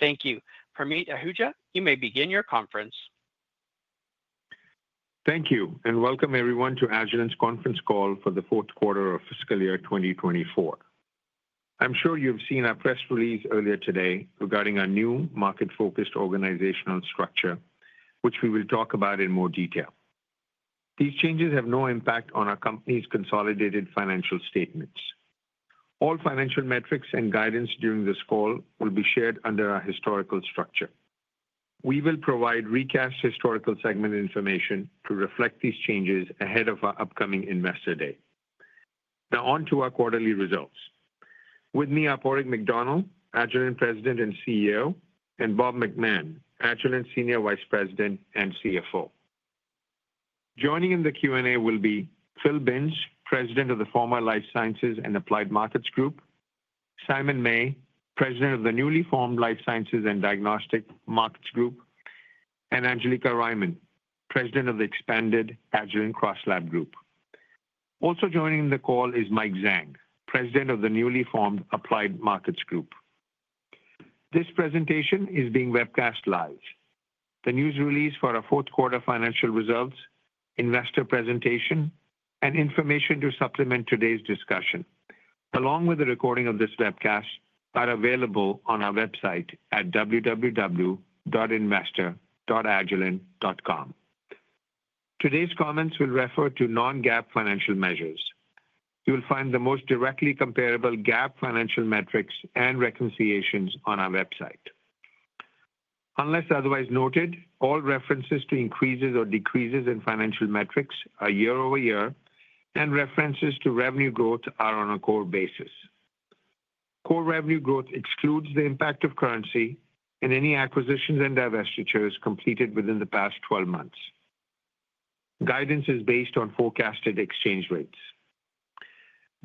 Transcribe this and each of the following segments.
Thank you. Parmeet Ahuja, you may begin your conference. Thank you, and welcome everyone to Agilent's conference call for the fourth quarter of fiscal year 2024. I'm sure you've seen our press release earlier today regarding our new market-focused organizational structure, which we will talk about in more detail. These changes have no impact on our company's consolidated financial statements. All financial metrics and guidance during this call will be shared under our historical structure. We will provide recast historical segment information to reflect these changes ahead of our upcoming Investor Day. Now, on to our quarterly results. With me are Padraig McDonnell, Agilent President and CEO, and Bob McMahon, Agilent Senior Vice President and CFO. Joining in the Q&A will be Phil Binns, President of the former Life Sciences and Applied Markets Group, Simon May, President of the newly formed Life Sciences and Diagnostics Markets Group, and Angelica Riemann, President of the Expanded Agilent CrossLab Group. Also joining in the call is Mike Zhang, President of the newly formed Applied Markets Group. This presentation is being webcast live. The news release for our fourth quarter financial results, investor presentation, and information to supplement today's discussion, along with the recording of this webcast, are available on our website at www.investor.agilent.com. Today's comments will refer to non-GAAP financial measures. You will find the most directly comparable GAAP financial metrics and reconciliations on our website. Unless otherwise noted, all references to increases or decreases in financial metrics are year-over-year, and references to revenue growth are on a core basis. Core revenue growth excludes the impact of currency in any acquisitions and divestitures completed within the past 12 months. Guidance is based on forecasted exchange rates.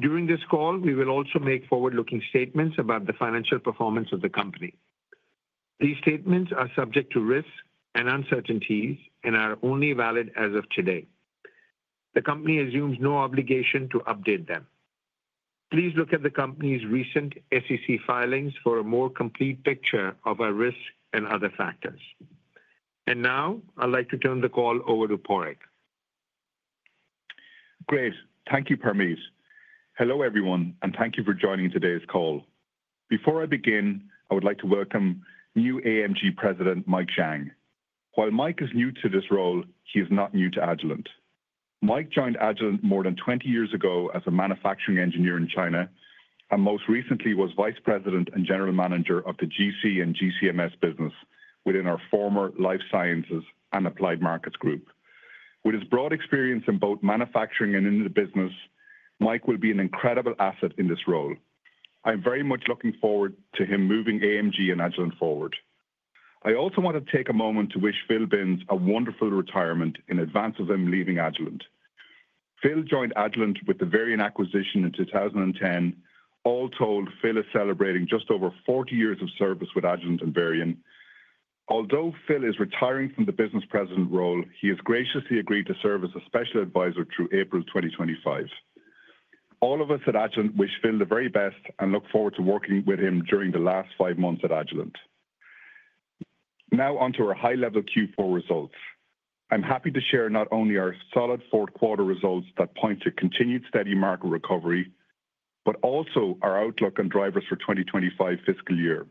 During this call, we will also make forward-looking statements about the financial performance of the company. These statements are subject to risks and uncertainties and are only valid as of today. The company assumes no obligation to update them. Please look at the company's recent SEC filings for a more complete picture of our risks and other factors. And now, I'd like to turn the call over to Padraig. Great. Thank you, Parmeet. Hello everyone, and thank you for joining today's call. Before I begin, I would like to welcome new AMG President Mike Zhang. While Mike is new to this role, he is not new to Agilent. Mike joined Agilent more than 20 years ago as a manufacturing engineer in China and most recently was Vice President and General Manager of the GC and GCMS business within our former Life Sciences and Applied Markets Group. With his broad experience in both manufacturing and in the business, Mike will be an incredible asset in this role. I'm very much looking forward to him moving AMG and Agilent forward. I also want to take a moment to wish Phil Binns a wonderful retirement in advance of him leaving Agilent. Phil joined Agilent with the Varian acquisition in 2010. All told, Phil is celebrating just over 40 years of service with Agilent and Varian. Although Phil is retiring from the business president role, he has graciously agreed to serve as a special advisor through April 2025. All of us at Agilent wish Phil the very best and look forward to working with him during the last five months at Agilent. Now, on to our high-level Q4 results. I'm happy to share not only our solid fourth quarter results that point to continued steady market recovery, but also our outlook and drivers for 2025 fiscal year.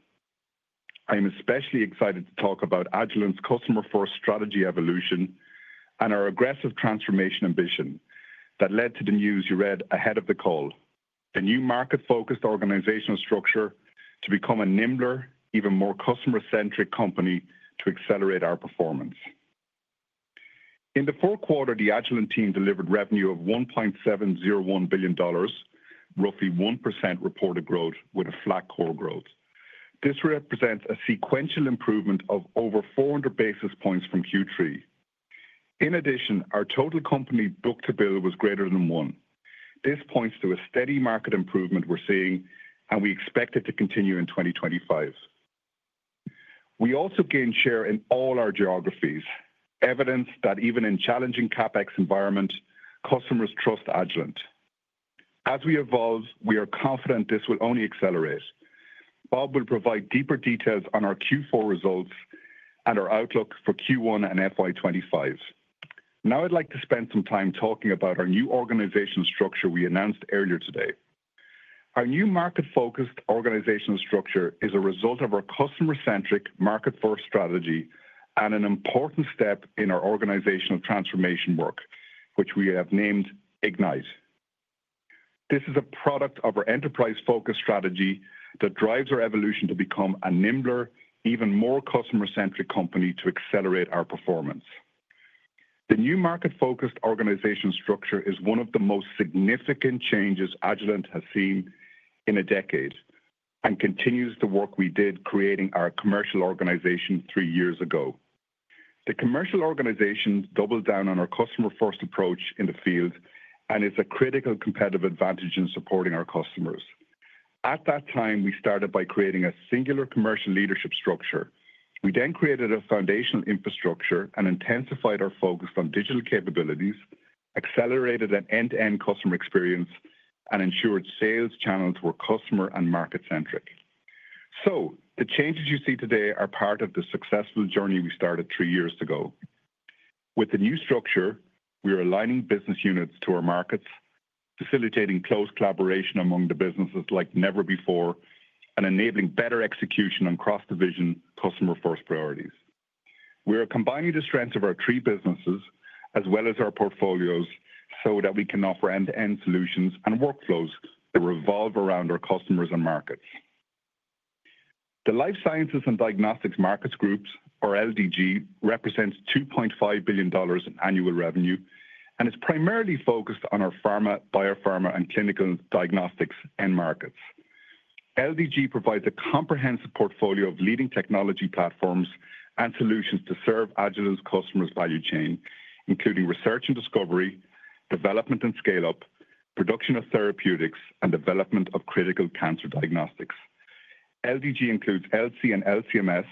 I'm especially excited to talk about Agilent's customer-first strategy evolution and our aggressive transformation ambition that led to the news you read ahead of the call, a new market-focused organizational structure to become a nimbler, even more customer-centric company to accelerate our performance. In the fourth quarter, the Agilent team delivered revenue of $1.701 billion, roughly 1% reported growth with a flat core growth. This represents a sequential improvement of over 400 basis points from Q3. In addition, our total company book-to-bill was greater than one. This points to a steady market improvement we're seeing, and we expect it to continue in 2025. We also gained share in all our geographies, evidence that even in challenging CapEx environments, customers trust Agilent. As we evolve, we are confident this will only accelerate. Bob will provide deeper details on our Q4 results and our outlook for Q1 and FY25. Now, I'd like to spend some time talking about our new organizational structure we announced earlier today. Our new market-focused organizational structure is a result of our customer-centric market-first strategy and an important step in our organizational transformation work, which we have named Ignite. This is a product of our enterprise-focused strategy that drives our evolution to become a nimbler, even more customer-centric company to accelerate our performance. The new market-focused organizational structure is one of the most significant changes Agilent has seen in a decade and continues the work we did creating our commercial organization three years ago. The commercial organization doubled down on our customer-first approach in the field and is a critical competitive advantage in supporting our customers. At that time, we started by creating a singular commercial leadership structure. We then created a foundational infrastructure and intensified our focus on digital capabilities, accelerated an end-to-end customer experience, and ensured sales channels were customer and market-centric. So, the changes you see today are part of the successful journey we started three years ago. With the new structure, we are aligning business units to our markets, facilitating close collaboration among the businesses like never before, and enabling better execution on cross-division customer-first priorities. We are combining the strengths of our three businesses as well as our portfolios so that we can offer end-to-end solutions and workflows that revolve around our customers and markets. The Life Sciences and Diagnostics Markets Group, or LDG, represents $2.5 billion in annual revenue and is primarily focused on our pharma, biopharma, and clinical diagnostics end markets. LDG provides a comprehensive portfolio of leading technology platforms and solutions to serve Agilent's customers' value chain, including research and discovery, development and scale-up, production of therapeutics, and development of critical cancer diagnostics. LDG includes LC and LC/MS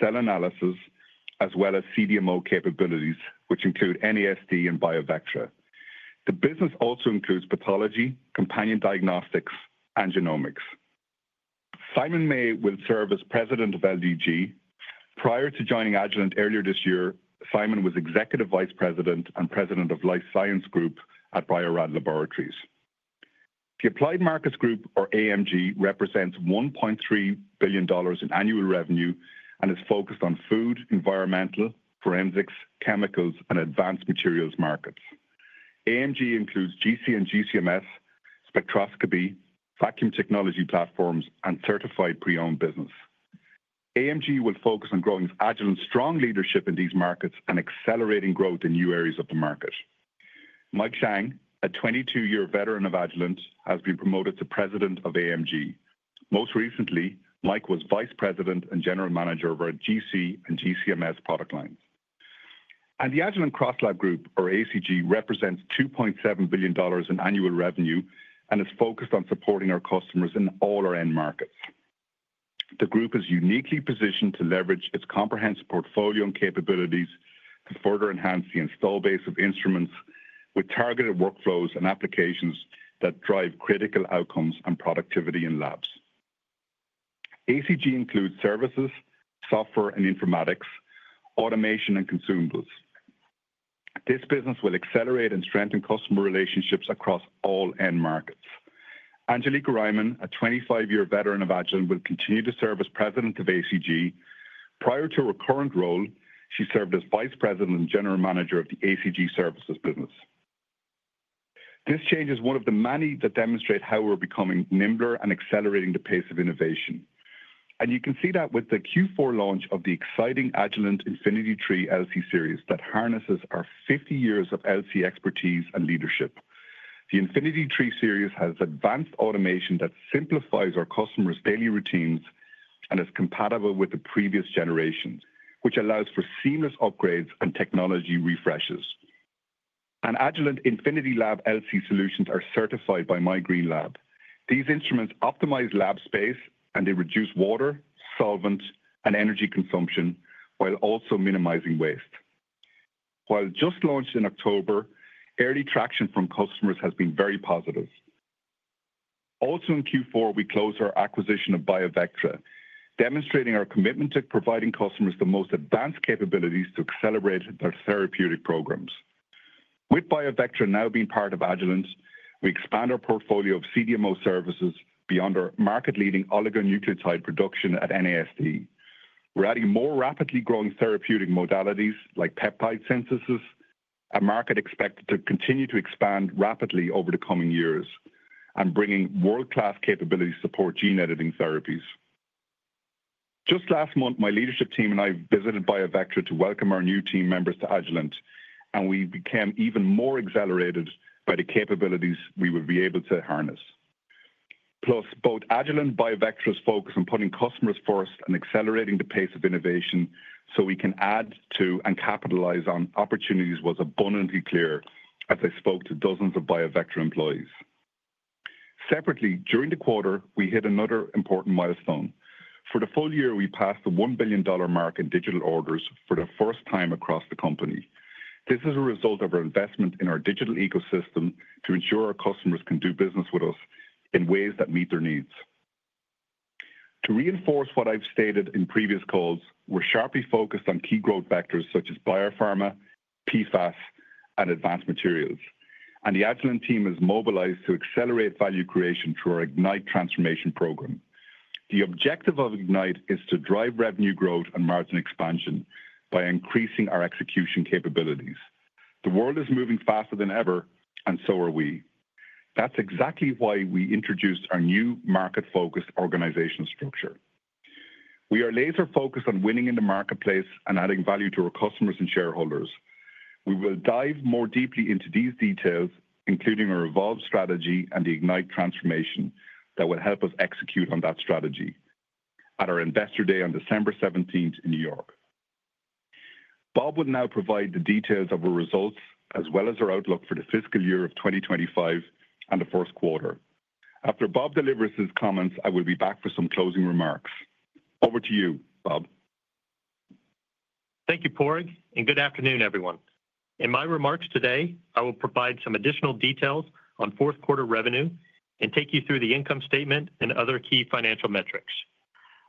cell analysis, as well as CDMO capabilities, which include NASD and BIOVECTRA. The business also includes pathology, companion diagnostics, and genomics. Simon May will serve as President of LDG. Prior to joining Agilent earlier this year, Simon was Executive Vice President and President of Life Science Group at Bio-Rad Laboratories. The Applied Markets Group, or AMG, represents $1.3 billion in annual revenue and is focused on food, environmental, forensics, chemicals, and advanced materials markets. AMG includes GC and GCMS, spectroscopy, vacuum technology platforms, and certified pre-owned business. AMG will focus on growing Agilent's strong leadership in these markets and accelerating growth in new areas of the market. Mike Zhang, a 22-year veteran of Agilent, has been promoted to President of AMG. Most recently, Mike was Vice President and General Manager of our GC and GC/MS product lines, and the Agilent CrossLab Group, or ACG, represents $2.7 billion in annual revenue and is focused on supporting our customers in all our end markets. The group is uniquely positioned to leverage its comprehensive portfolio and capabilities to further enhance the install base of instruments with targeted workflows and applications that drive critical outcomes and productivity in labs. ACG includes services, software, and informatics, automation, and consumables. This business will accelerate and strengthen customer relationships across all end markets. Angelica Riemann, a 25-year veteran of Agilent, will continue to serve as President of ACG. Prior to her current role, she served as Vice President and General Manager of the ACG services business. This change is one of the many that demonstrate how we're becoming nimbler and accelerating the pace of innovation. You can see that with the Q4 launch of the exciting Agilent Infinity III LC series that harnesses our 50 years of LC expertise and leadership. The Infinity III series has advanced automation that simplifies our customers' daily routines and is compatible with the previous generations, which allows for seamless upgrades and technology refreshes, and Agilent InfinityLab LC solutions are certified by My Green Lab. These instruments optimize lab space, and they reduce water, solvent, and energy consumption while also minimizing waste. While just launched in October, early traction from customers has been very positive. Also in Q4, we closed our acquisition of BIOVECTRA, demonstrating our commitment to providing customers the most advanced capabilities to accelerate their therapeutic programs. With BIOVECTRA now being part of Agilent, we expand our portfolio of CDMO services beyond our market-leading oligonucleotide production at NASD. We're adding more rapidly growing therapeutic modalities like peptide synthesis, a market expected to continue to expand rapidly over the coming years, and bringing world-class capabilities to support gene editing therapies. Just last month, my leadership team and I visited BIOVECTRA to welcome our new team members to Agilent, and we became even more exhilarated by the capabilities we would be able to harness. Plus, both Agilent and BIOVECTRA’s focus on putting customers first and accelerating the pace of innovation so we can add to and capitalize on opportunities was abundantly clear as I spoke to dozens of BIOVECTRA employees. Separately, during the quarter, we hit another important milestone. For the full year, we passed the $1 billion mark in digital orders for the first time across the company. This is a result of our investment in our digital ecosystem to ensure our customers can do business with us in ways that meet their needs. To reinforce what I've stated in previous calls, we're sharply focused on key growth factors such as biopharma, PFAS, and advanced materials. The Agilent team is mobilized to accelerate value creation through our Ignite transformation program. The objective of Ignite is to drive revenue growth and margin expansion by increasing our execution capabilities. The world is moving faster than ever, and so are we. That's exactly why we introduced our new market-focused organizational structure. We are laser-focused on winning in the marketplace and adding value to our customers and shareholders. We will dive more deeply into these details, including our evolved strategy and the Ignite transformation that will help us execute on that strategy at our investor day on December 17th in New York. Bob will now provide the details of our results as well as our outlook for the fiscal year of 2025 and the fourth quarter. After Bob delivers his comments, I will be back for some closing remarks. Over to you, Bob. Thank you, Padraig, and good afternoon, everyone. In my remarks today, I will provide some additional details on fourth quarter revenue and take you through the income statement and other key financial metrics.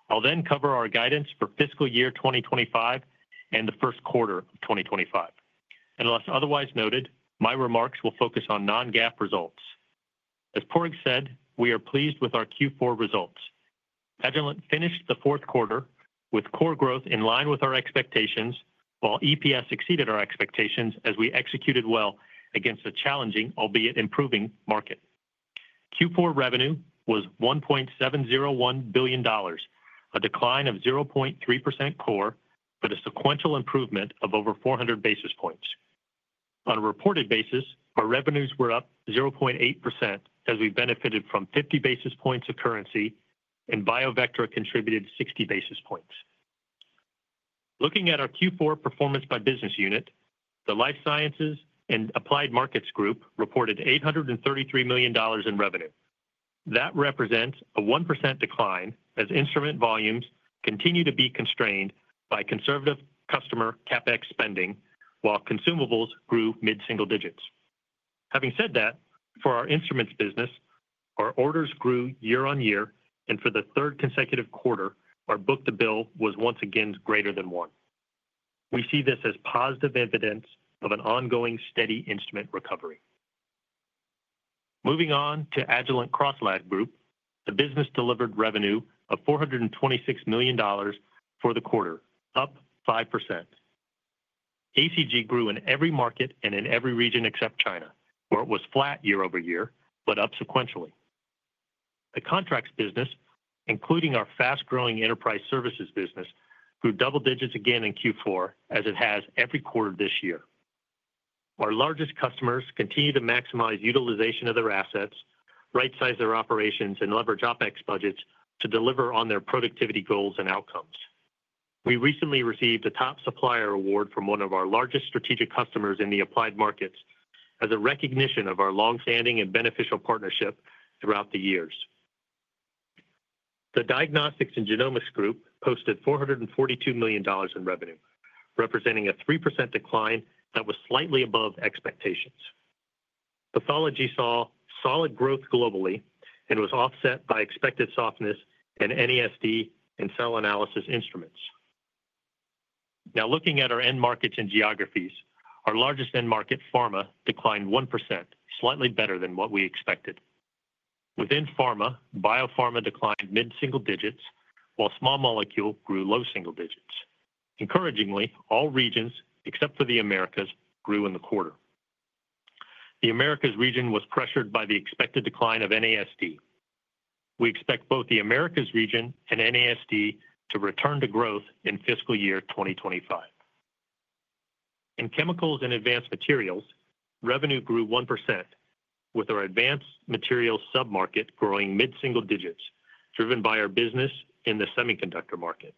I'll then cover our guidance for fiscal year 2025 and the first quarter of 2025. Unless otherwise noted, my remarks will focus on non-GAAP results. As Padraig said, we are pleased with our Q4 results. Agilent finished the fourth quarter with core growth in line with our expectations, while EPS exceeded our expectations as we executed well against a challenging, albeit improving, market. Q4 revenue was $1.701 billion, a decline of 0.3% core, but a sequential improvement of over 400 basis points. On a reported basis, our revenues were up 0.8% as we benefited from 50 basis points of currency, and BIOVECTRA contributed 60 basis points. Looking at our Q4 performance by business unit, the Life Sciences and Applied Markets Group reported $833 million in revenue. That represents a 1% decline as instrument volumes continue to be constrained by conservative customer CapEx spending, while consumables grew mid-single digits. Having said that, for our instruments business, our orders grew year-on-year, and for the third consecutive quarter, our book-to-bill was once again greater than one. We see this as positive evidence of an ongoing steady instrument recovery. Moving on to Agilent CrossLab Group, the business delivered revenue of $426 million for the quarter, up 5%. ACG grew in every market and in every region except China, where it was flat year-over-year, but up sequentially. The contracts business, including our fast-growing enterprise services business, grew double digits again in Q4 as it has every quarter this year. Our largest customers continue to maximize utilization of their assets, right-size their operations, and leverage OpEx budgets to deliver on their productivity goals and outcomes. We recently received a top supplier award from one of our largest strategic customers in the applied markets as a recognition of our longstanding and beneficial partnership throughout the years. The Diagnostics and Genomics Group posted $442 million in revenue, representing a 3% decline that was slightly above expectations. Pathology saw solid growth globally and was offset by expected softness in NASD and cell analysis instruments. Now, looking at our end markets and geographies, our largest end market, pharma, declined 1%, slightly better than what we expected. Within pharma, biopharma declined mid-single digits, while small molecule grew low single digits. Encouragingly, all regions, except for the Americas, grew in the quarter. The Americas region was pressured by the expected decline of NASD. We expect both the Americas region and NASD to return to growth in fiscal year 2025. In chemicals and advanced materials, revenue grew 1%, with our advanced materials sub-market growing mid-single digits, driven by our business in the semiconductor market.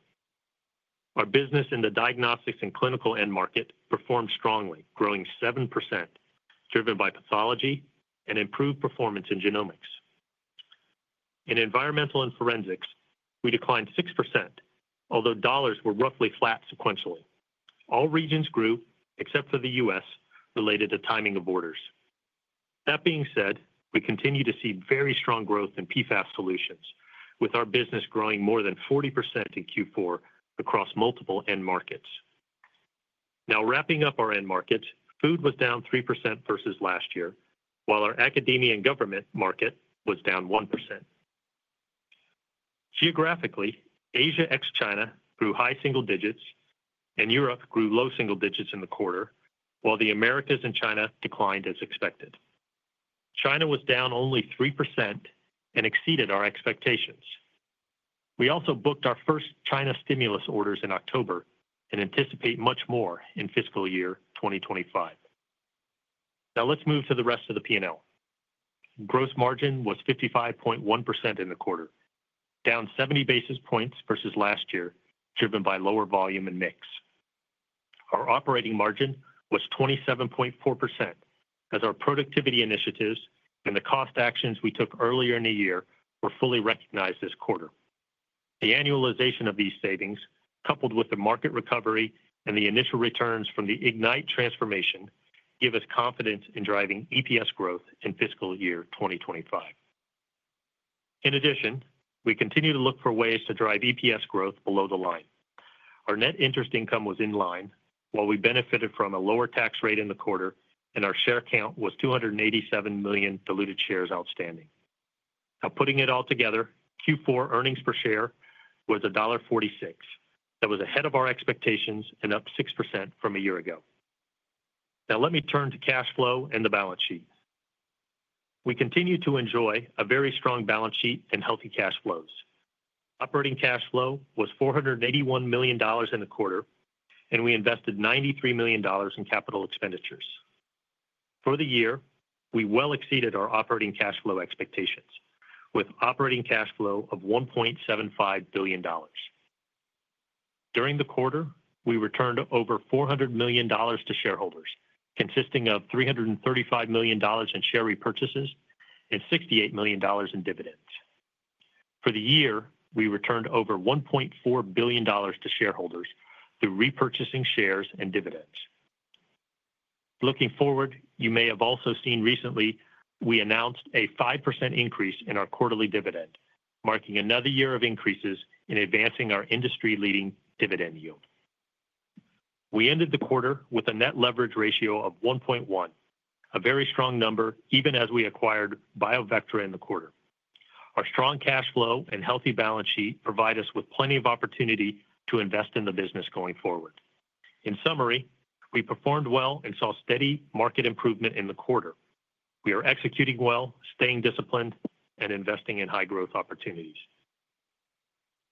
Our business in the diagnostics and clinical end market performed strongly, growing 7%, driven by pathology and improved performance in genomics. In environmental and forensics, we declined 6%, although dollars were roughly flat sequentially. All regions grew, except for the U.S., related to timing of orders. That being said, we continue to see very strong growth in PFAS solutions, with our business growing more than 40% in Q4 across multiple end markets. Now, wrapping up our end markets, food was down 3% versus last year, while our academia and government market was down 1%. Geographically, Asia ex-China grew high single digits, and Europe grew low single digits in the quarter, while the Americas and China declined as expected. China was down only 3% and exceeded our expectations. We also booked our first China stimulus orders in October and anticipate much more in fiscal year 2025. Now, let's move to the rest of the P&L. Gross margin was 55.1% in the quarter, down 70 basis points versus last year, driven by lower volume and mix. Our operating margin was 27.4%, as our productivity initiatives and the cost actions we took earlier in the year were fully recognized this quarter. The annualization of these savings, coupled with the market recovery and the initial returns from the Ignite transformation, give us confidence in driving EPS growth in fiscal year 2025. In addition, we continue to look for ways to drive EPS growth below the line. Our net interest income was in line, while we benefited from a lower tax rate in the quarter, and our share count was 287 million diluted shares outstanding. Now, putting it all together, Q4 earnings per share was $1.46. That was ahead of our expectations and up 6% from a year ago. Now, let me turn to cash flow and the balance sheet. We continue to enjoy a very strong balance sheet and healthy cash flows. Operating cash flow was $481 million in the quarter, and we invested $93 million in capital expenditures. For the year, we well exceeded our operating cash flow expectations, with operating cash flow of $1.75 billion. During the quarter, we returned over $400 million to shareholders, consisting of $335 million in share repurchases and $68 million in dividends. For the year, we returned over $1.4 billion to shareholders through repurchasing shares and dividends. Looking forward, you may have also seen recently we announced a 5% increase in our quarterly dividend, marking another year of increases in advancing our industry-leading dividend yield. We ended the quarter with a net leverage ratio of 1.1, a very strong number even as we acquired BIOVECTRA in the quarter. Our strong cash flow and healthy balance sheet provide us with plenty of opportunity to invest in the business going forward. In summary, we performed well and saw steady market improvement in the quarter. We are executing well, staying disciplined, and investing in high-growth opportunities.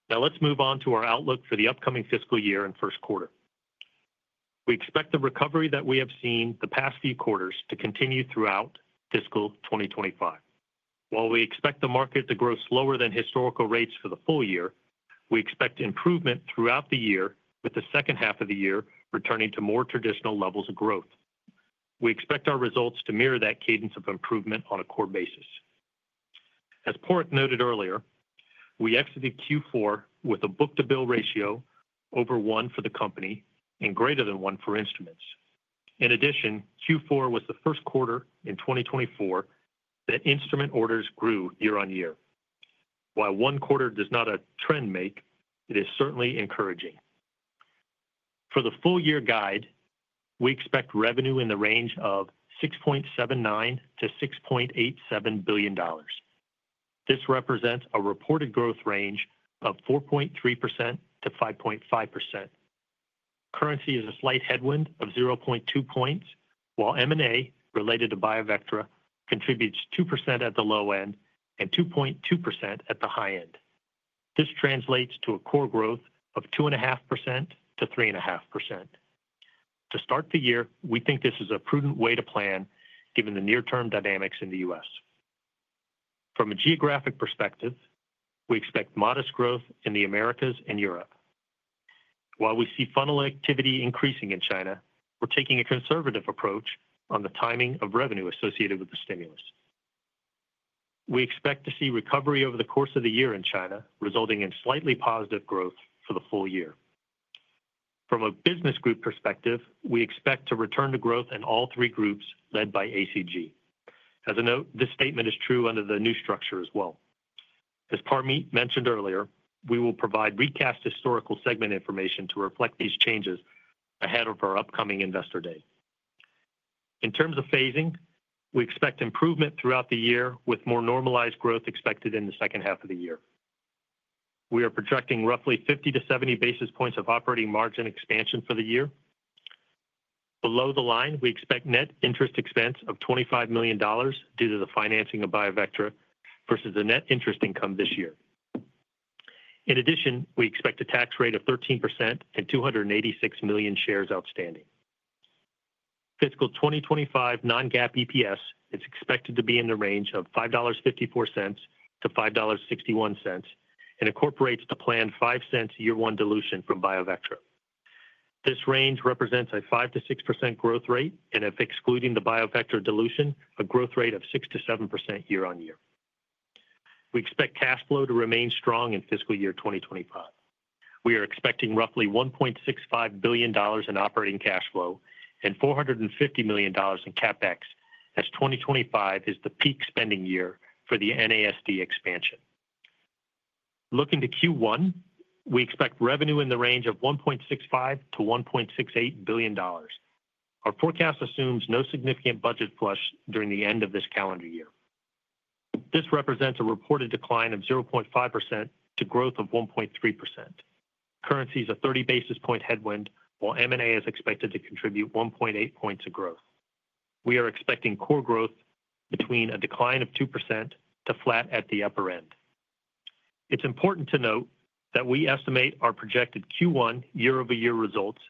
Now, let's move on to our outlook for the upcoming fiscal year and first quarter. We expect the recovery that we have seen the past few quarters to continue throughout fiscal 2025. While we expect the market to grow slower than historical rates for the full year, we expect improvement throughout the year, with the second half of the year returning to more traditional levels of growth. We expect our results to mirror that cadence of improvement on a core basis. As Padraig noted earlier, we exited Q4 with a book-to-bill ratio over one for the company and greater than one for instruments. In addition, Q4 was the first quarter in 2024 that instrument orders grew year-on-year. While one quarter does not a trend make, it is certainly encouraging. For the full-year guide, we expect revenue in the range of $6.79 billion-$6.87 billion. This represents a reported growth range of 4.3%-5.5%. Currency is a slight headwind of 0.2 points, while M&A related to BIOVECTRA contributes 2% at the low end and 2.2% at the high end. This translates to a core growth of 2.5% to 3.5%. To start the year, we think this is a prudent way to plan given the near-term dynamics in the U.S. From a geographic perspective, we expect modest growth in the Americas and Europe. While we see funnel activity increasing in China, we're taking a conservative approach on the timing of revenue associated with the stimulus. We expect to see recovery over the course of the year in China, resulting in slightly positive growth for the full year. From a business group perspective, we expect to return to growth in all three groups led by ACG. As a note, this statement is true under the new structure as well. As Parmeet mentioned earlier, we will provide recast historical segment information to reflect these changes ahead of our upcoming investor day. In terms of phasing, we expect improvement throughout the year, with more normalized growth expected in the second half of the year. We are projecting roughly 50 to 70 basis points of operating margin expansion for the year. Below the line, we expect net interest expense of $25 million due to the financing of BIOVECTRA versus the net interest income this year. In addition, we expect a tax rate of 13% and 286 million shares outstanding. Fiscal 2025 non-GAAP EPS is expected to be in the range of $5.54-$5.61 and incorporates the planned $0.05 year-one dilution from BIOVECTRA. This range represents a 5%-6% growth rate, and if excluding the BIOVECTRA dilution, a growth rate of 6%-7% year-on-year. We expect cash flow to remain strong in fiscal year 2025. We are expecting roughly $1.65 billion in operating cash flow and $450 million in CapEx as 2025 is the peak spending year for the NASD expansion. Looking to Q1, we expect revenue in the range of $1.65 billion-$1.68 billion. Our forecast assumes no significant budget flush during the end of this calendar year. This represents a reported decline of 0.5% to growth of 1.3%. Currencies are 30 basis points headwind, while M&A is expected to contribute 1.8 points of growth. We are expecting core growth between a decline of 2% to flat at the upper end. It's important to note that we estimate our projected Q1 year-over-year results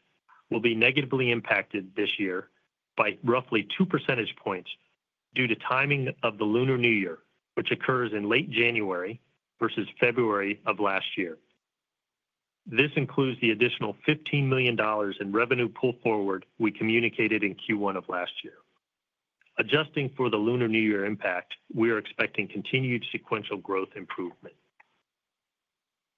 will be negatively impacted this year by roughly 2 percentage points due to timing of the Lunar New Year, which occurs in late January versus February of last year. This includes the additional $15 million in revenue pull forward we communicated in Q1 of last year. Adjusting for the Lunar New Year impact, we are expecting continued sequential growth improvement.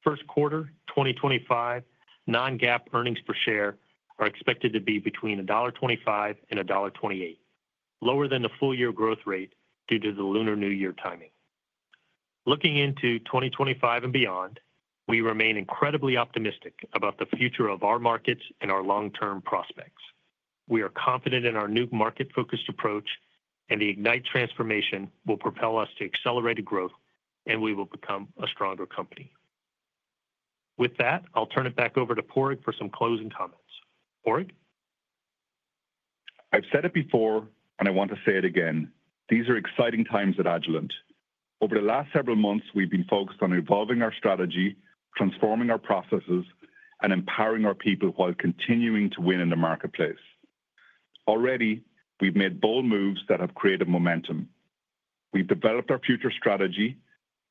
First quarter 2025 Non-GAAP earnings per share are expected to be between $1.25 and $1.28, lower than the full-year growth rate due to the Lunar New Year timing. Looking into 2025 and beyond, we remain incredibly optimistic about the future of our markets and our long-term prospects. We are confident in our new market-focused approach, and the Ignite transformation will propel us to accelerated growth, and we will become a stronger company. With that, I'll turn it back over to Padraig for some closing comments. Padraig? I've said it before, and I want to say it again. These are exciting times at Agilent. Over the last several months, we've been focused on evolving our strategy, transforming our processes, and empowering our people while continuing to win in the marketplace. Already, we've made bold moves that have created momentum. We've developed our future strategy.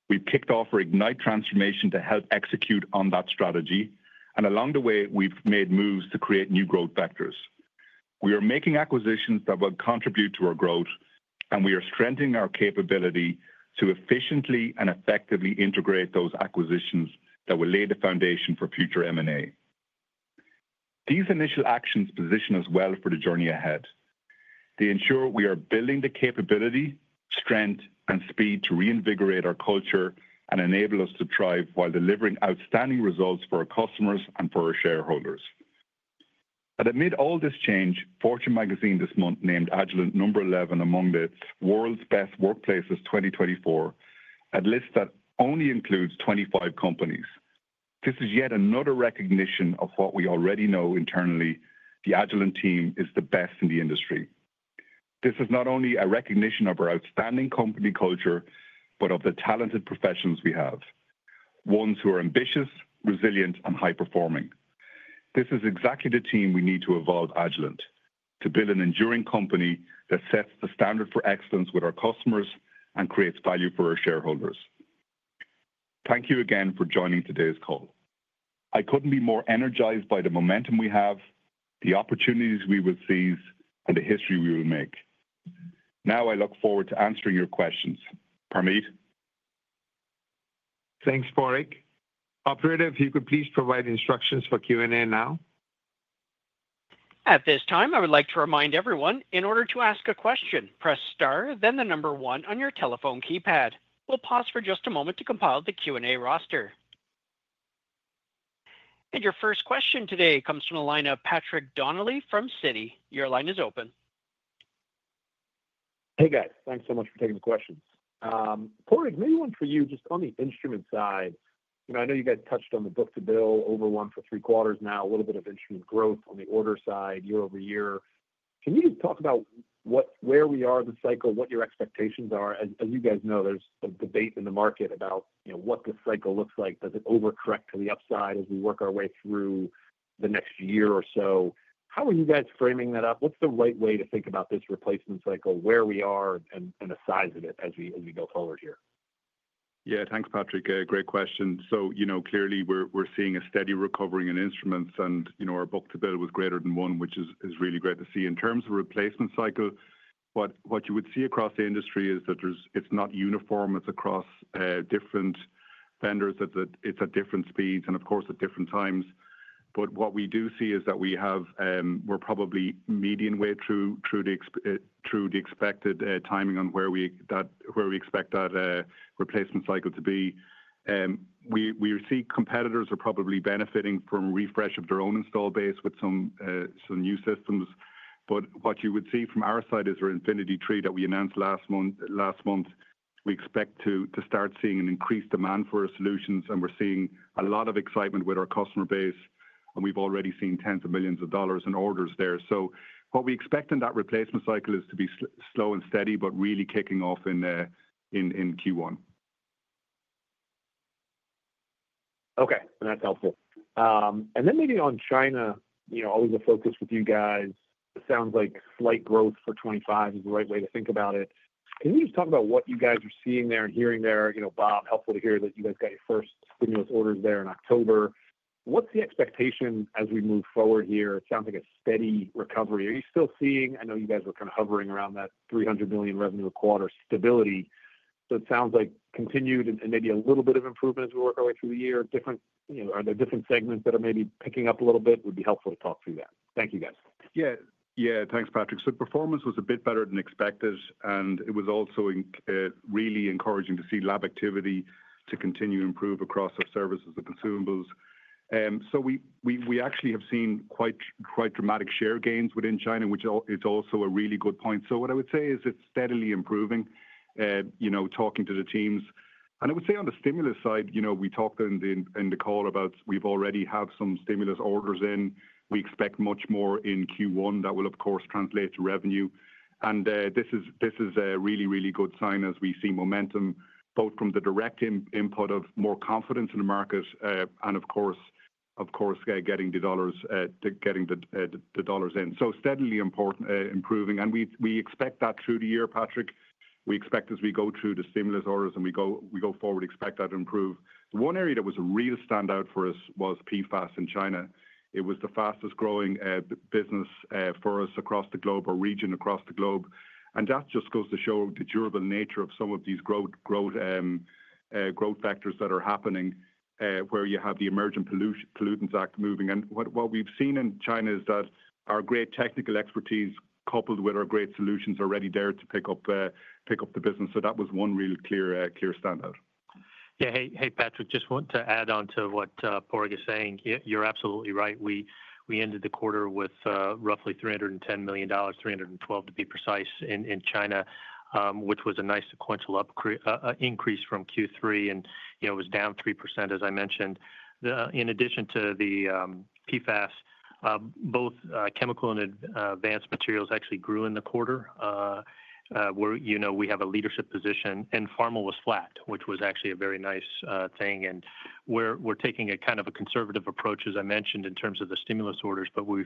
We've kicked off our Ignite transformation to help execute on that strategy, and along the way, we've made moves to create new growth vectors. We are making acquisitions that will contribute to our growth, and we are strengthening our capability to efficiently and effectively integrate those acquisitions that will lay the foundation for future M&A. These initial actions position us well for the journey ahead. They ensure we are building the capability, strength, and speed to reinvigorate our culture and enable us to thrive while delivering outstanding results for our customers and for our shareholders. But amid all this change, Fortune magazine this month named Agilent number 11 among the world's best workplaces 2024, a list that only includes 25 companies. This is yet another recognition of what we already know internally: the Agilent team is the best in the industry. This is not only a recognition of our outstanding company culture, but of the talented professionals we have, ones who are ambitious, resilient, and high-performing. This is exactly the team we need to evolve Agilent, to build an enduring company that sets the standard for excellence with our customers and creates value for our shareholders. Thank you again for joining today's call. I couldn't be more energized by the momentum we have, the opportunities we will seize, and the history we will make. Now, I look forward to answering your questions. Parmeet? Thanks, Padraig. Operator, if you could please provide instructions for Q&A now. At this time, I would like to remind everyone, in order to ask a question, press star, then the number one on your telephone keypad. We'll pause for just a moment to compile the Q&A roster. And your first question today comes from the line of Patrick Donnelly from Citi. Your line is open. Hey, guys. Thanks so much for taking the questions. Padraig, maybe one for you just on the instrument side. I know you guys touched on the book-to-bill, over one for three quarters now, a little bit of instrument growth on the order side year-over-year. Can you just talk about where we are in the cycle, what your expectations are? As you guys know, there's a debate in the market about what the cycle looks like. Does it overcorrect to the upside as we work our way through the next year or so? How are you guys framing that up? What's the right way to think about this replacement cycle, where we are, and the size of it as we go forward here? Yeah, thanks, Patrick. Great question. So clearly, we're seeing a steady recovery in instruments, and our book-to-bill was greater than one, which is really great to see in terms of replacement cycle. But what you would see across the industry is that it's not uniform. It's across different vendors. It's at different speeds and, of course, at different times. But what we do see is that we're probably midway through the expected timing on where we expect that replacement cycle to be. We see competitors are probably benefiting from a refresh of their own installed base with some new systems. But what you would see from our side is our Infinity III that we announced last month. We expect to start seeing an increased demand for our solutions, and we're seeing a lot of excitement with our customer base, and we've already seen tens of millions of dollars in orders there, so what we expect in that replacement cycle is to be slow and steady, but really kicking off in Q1. Okay, and that's helpful, and then maybe on China, always a focus with you guys. It sounds like slight growth for 2025 is the right way to think about it. Can you just talk about what you guys are seeing there and hearing there? Bob, helpful to hear that you guys got your first stimulus orders there in October. What's the expectation as we move forward here? It sounds like a steady recovery. Are you still seeing, I know you guys were kind of hovering around that $300 million revenue a quarter stability. So it sounds like continued and maybe a little bit of improvement as we work our way through the year. Are there different segments that are maybe picking up a little bit? It would be helpful to talk through that. Thank you, guys. Yeah. Yeah, thanks, Patrick. So performance was a bit better than expected, and it was also really encouraging to see lab activity to continue to improve across our services and consumables. So we actually have seen quite dramatic share gains within China, which is also a really good point. So what I would say is it's steadily improving, talking to the teams. And I would say on the stimulus side, we talked in the call about we've already had some stimulus orders in. We expect much more in Q1. That will, of course, translate to revenue. This is a really, really good sign as we see momentum, both from the direct input of more confidence in the market and, of course, getting the dollars in. Steadily improving. We expect that through the year, Patrick. We expect as we go through the stimulus orders and we go forward, expect that to improve. One area that was a real standout for us was PFAS in China. It was the fastest-growing business for us across the globe, our region across the globe. That just goes to show the durable nature of some of these growth vectors that are happening, where you have the Emergent Pollutants Act moving. What we've seen in China is that our great technical expertise coupled with our great solutions are ready there to pick up the business. That was one real clear standout. Yeah. Hey, Patrick, just want to add on to what Padraig is saying. You're absolutely right. We ended the quarter with roughly $310 million, $312 million to be precise in China, which was a nice sequential increase from Q3, and it was down 3%, as I mentioned. In addition to the PFAS, both chemical and advanced materials actually grew in the quarter where we have a leadership position, and pharma was flat, which was actually a very nice thing, and we're taking a kind of a conservative approach, as I mentioned, in terms of the stimulus orders, but we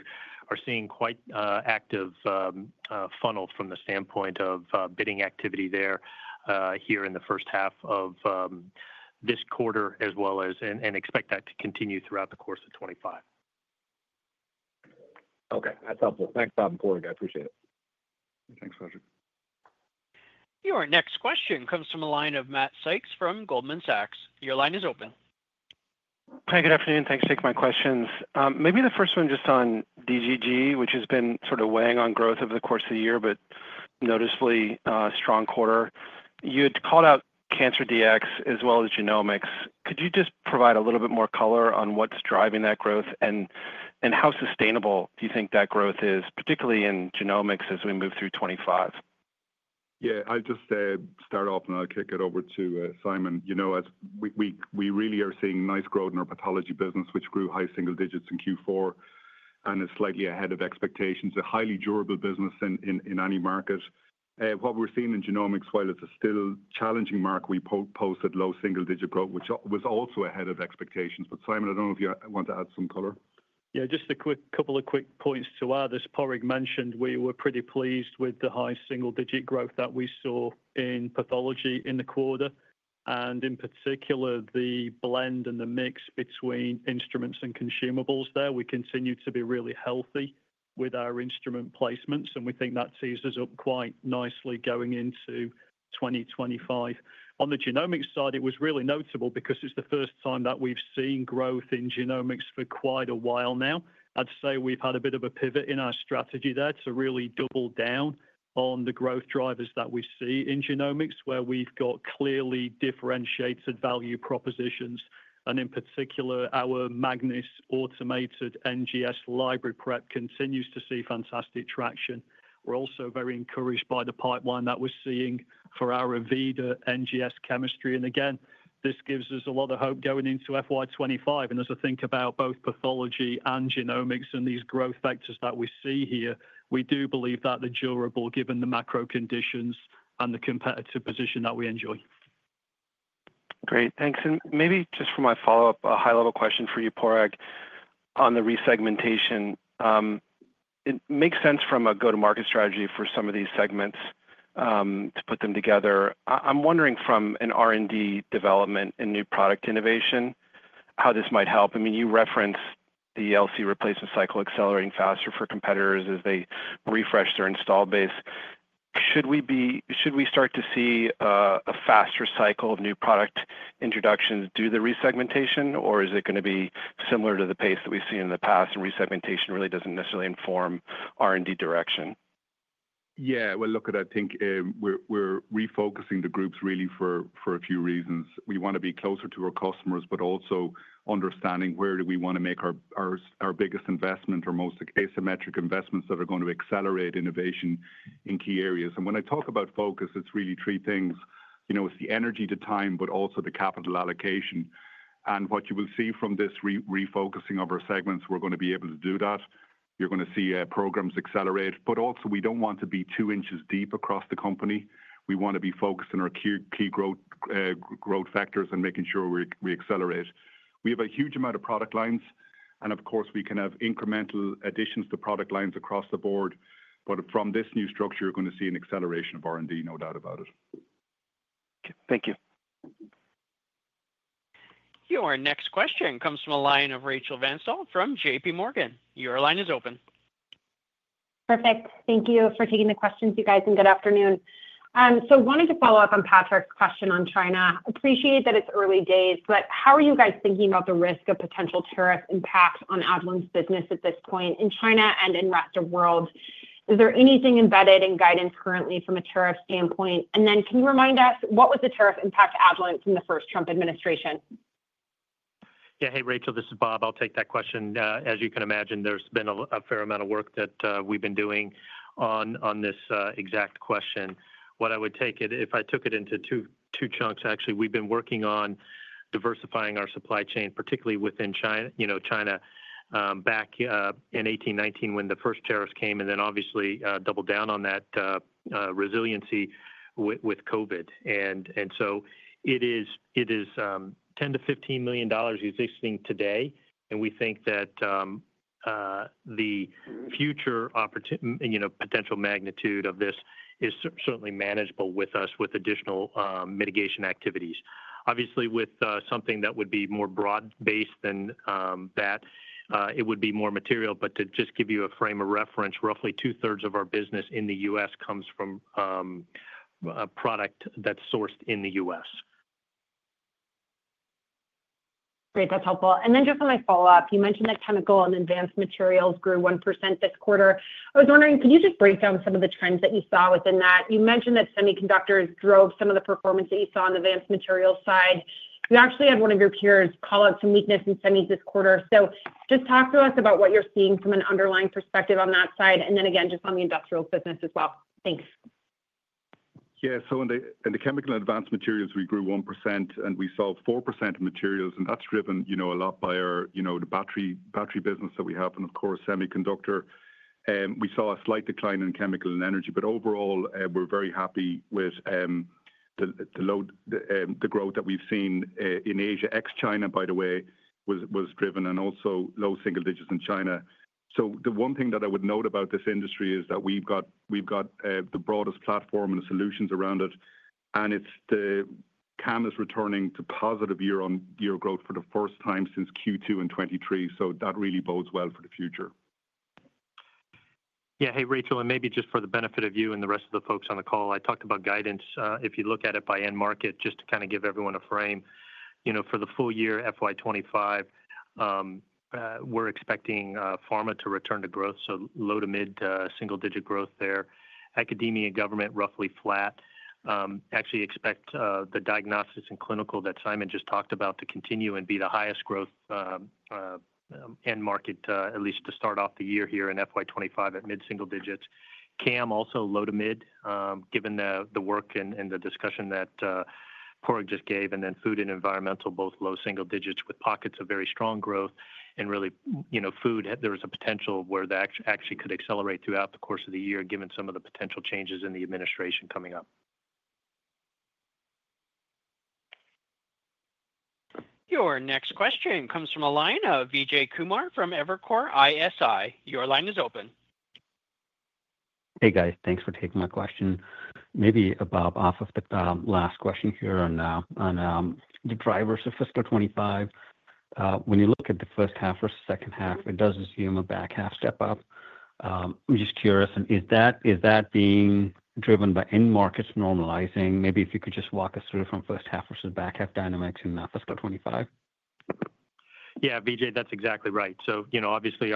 are seeing quite an active funnel from the standpoint of bidding activity here in the first half of this quarter, as well as and expect that to continue throughout the course of 2025. Okay. That's helpful. Thanks, Bob and Padraig. I appreciate it. Thanks, Patrick. Your next question comes from a line of Matt Sykes from Goldman Sachs. Your line is open. Hi, good afternoon. Thanks for taking my questions. Maybe the first one just on DGG, which has been sort of weighing on growth over the course of the year, but noticeably a strong quarter. You had called out cancer DX as well as genomics. Could you just provide a little bit more color on what's driving that growth and how sustainable do you think that growth is, particularly in genomics as we move through 2025? Yeah. I'll just start off, and I'll kick it over to Simon. We really are seeing nice growth in our pathology business, which grew high single digits in Q4 and is slightly ahead of expectations. A highly durable business in any market. What we're seeing in genomics, while it's a still challenging market, we posted low single-digit growth, which was also ahead of expectations. But Simon, I don't know if you want to add some color. Yeah, just a couple of quick points to add as Padraig mentioned. We were pretty pleased with the high single-digit growth that we saw in pathology in the quarter. And in particular, the blend and the mix between instruments and consumables there. We continue to be really healthy with our instrument placements, and we think that tees up quite nicely going into 2025. On the genomics side, it was really notable because it's the first time that we've seen growth in genomics for quite a while now. I'd say we've had a bit of a pivot in our strategy there to really double down on the growth drivers that we see in genomics, where we've got clearly differentiated value propositions. And in particular, our Magnis automated NGS library prep continues to see fantastic traction. We're also very encouraged by the pipeline that we're seeing for our Avida NGS chemistry. And again, this gives us a lot of hope going into FY 2025. And as I think about both pathology and genomics and these growth factors that we see here, we do believe that they're durable given the macro conditions and the competitive position that we enjoy. Great. Thanks. And maybe just for my follow-up, a high-level question for you, Padraig, on the resegmentation. It makes sense from a go-to-market strategy for some of these segments to put them together. I'm wondering from an R&D development and new product innovation how this might help. I mean, you referenced the LC replacement cycle accelerating faster for competitors as they refresh their installed base. Should we start to see a faster cycle of new product introductions due to the re-segmentation, or is it going to be similar to the pace that we've seen in the past and re-segmentation really doesn't necessarily inform R&D direction? Yeah. Well, look, I think we're refocusing the groups really for a few reasons. We want to be closer to our customers, but also understanding where do we want to make our biggest investment or most asymmetric investments that are going to accelerate innovation in key areas, and when I talk about focus, it's really three things. It's the energy and time, but also the capital allocation. And what you will see from this refocusing of our segments, we're going to be able to do that. You're going to see programs accelerate. But also, we don't want to be two inches deep across the company. We want to be focused on our key growth factors and making sure we accelerate. We have a huge amount of product lines. And of course, we can have incremental additions to product lines across the board. But from this new structure, you're going to see an acceleration of R&D, no doubt about it. Thank you. Your next question comes from a line of Rachel Vatnsdal from JPMorgan. Your line is open. Perfect. Thank you for taking the questions, you guys, and good afternoon. So I wanted to follow up on Patrick's question on China. appreciate that it's early days, but how are you guys thinking about the risk of potential tariff impact on Agilent's business at this point in China and in the rest of the world? Is there anything embedded in guidance currently from a tariff standpoint? And then can you remind us, what was the tariff impact to Agilent from the first Trump administration? Yeah. Hey, Rachel, this is Bob. I'll take that question. As you can imagine, there's been a fair amount of work that we've been doing on this exact question. What I would take it, if I took it into two chunks, actually, we've been working on diversifying our supply chain, particularly within China, back in 2018-2019 when the first tariffs came and then obviously doubled down on that resiliency with COVID. And so it is $10 million-$15 million existing today. And we think that the future potential magnitude of this is certainly manageable with us with additional mitigation activities. Obviously, with something that would be more broad-based than that, it would be more material. But to just give you a frame of reference, roughly 2/3 of our business in the U.S. comes from a product that's sourced in the U.S. Great. That's helpful. And then just for my follow-up, you mentioned that chemical and advanced materials grew 1% this quarter. I was wondering, could you just break down some of the trends that you saw within that? You mentioned that semiconductors drove some of the performance that you saw on the advanced materials side. You actually had one of your peers call out some weakness in semis this quarter. So just talk to us about what you're seeing from an underlying perspective on that side. And then again, just on the industrial business as well. Thanks. Yeah. So in the chemical and advanced materials, we grew 1%, and we saw 4% in materials. And that's driven a lot by the battery business that we have and, of course, semiconductor. We saw a slight decline in chemical and energy. But overall, we're very happy with the growth that we've seen in Asia ex-China. By the way, it was driven and also low single digits in China. So the one thing that I would note about this industry is that we've got the broadest platform and solutions around it. And CAM is returning to positive year-on-year growth for the first time since Q2 in 2023. So that really bodes well for the future. Yeah. Hey, Rachel, and maybe just for the benefit of you and the rest of the folks on the call, I talked about guidance. If you look at it by end market, just to kind of give everyone a frame, for the full year, FY 2025, we're expecting pharma to return to growth. So low to mid single-digit growth there. Academia and government roughly flat. Actually expect the diagnostics and clinical that Simon just talked about to continue and be the highest growth end market, at least to start off the year here in FY 2025 at mid single digits. CAM also low to mid, given the work and the discussion that Padraig just gave. And then food and environmental, both low single digits with pockets of very strong growth. And really, food, there was a potential where that actually could accelerate throughout the course of the year, given some of the potential changes in the administration coming up. Your next question comes from a line of Vijay Kumar from Evercore ISI. Your line is open. Hey, guys. Thanks for taking my question. Maybe, Bob, off of the last question here on the drivers of fiscal 2025, when you look at the first half versus second half, it does assume a back half step up. I'm just curious, is that being driven by end markets normalizing? Maybe if you could just walk us through from first half versus back half dynamics in fiscal 2025. Yeah, Vijay, that's exactly right. So obviously,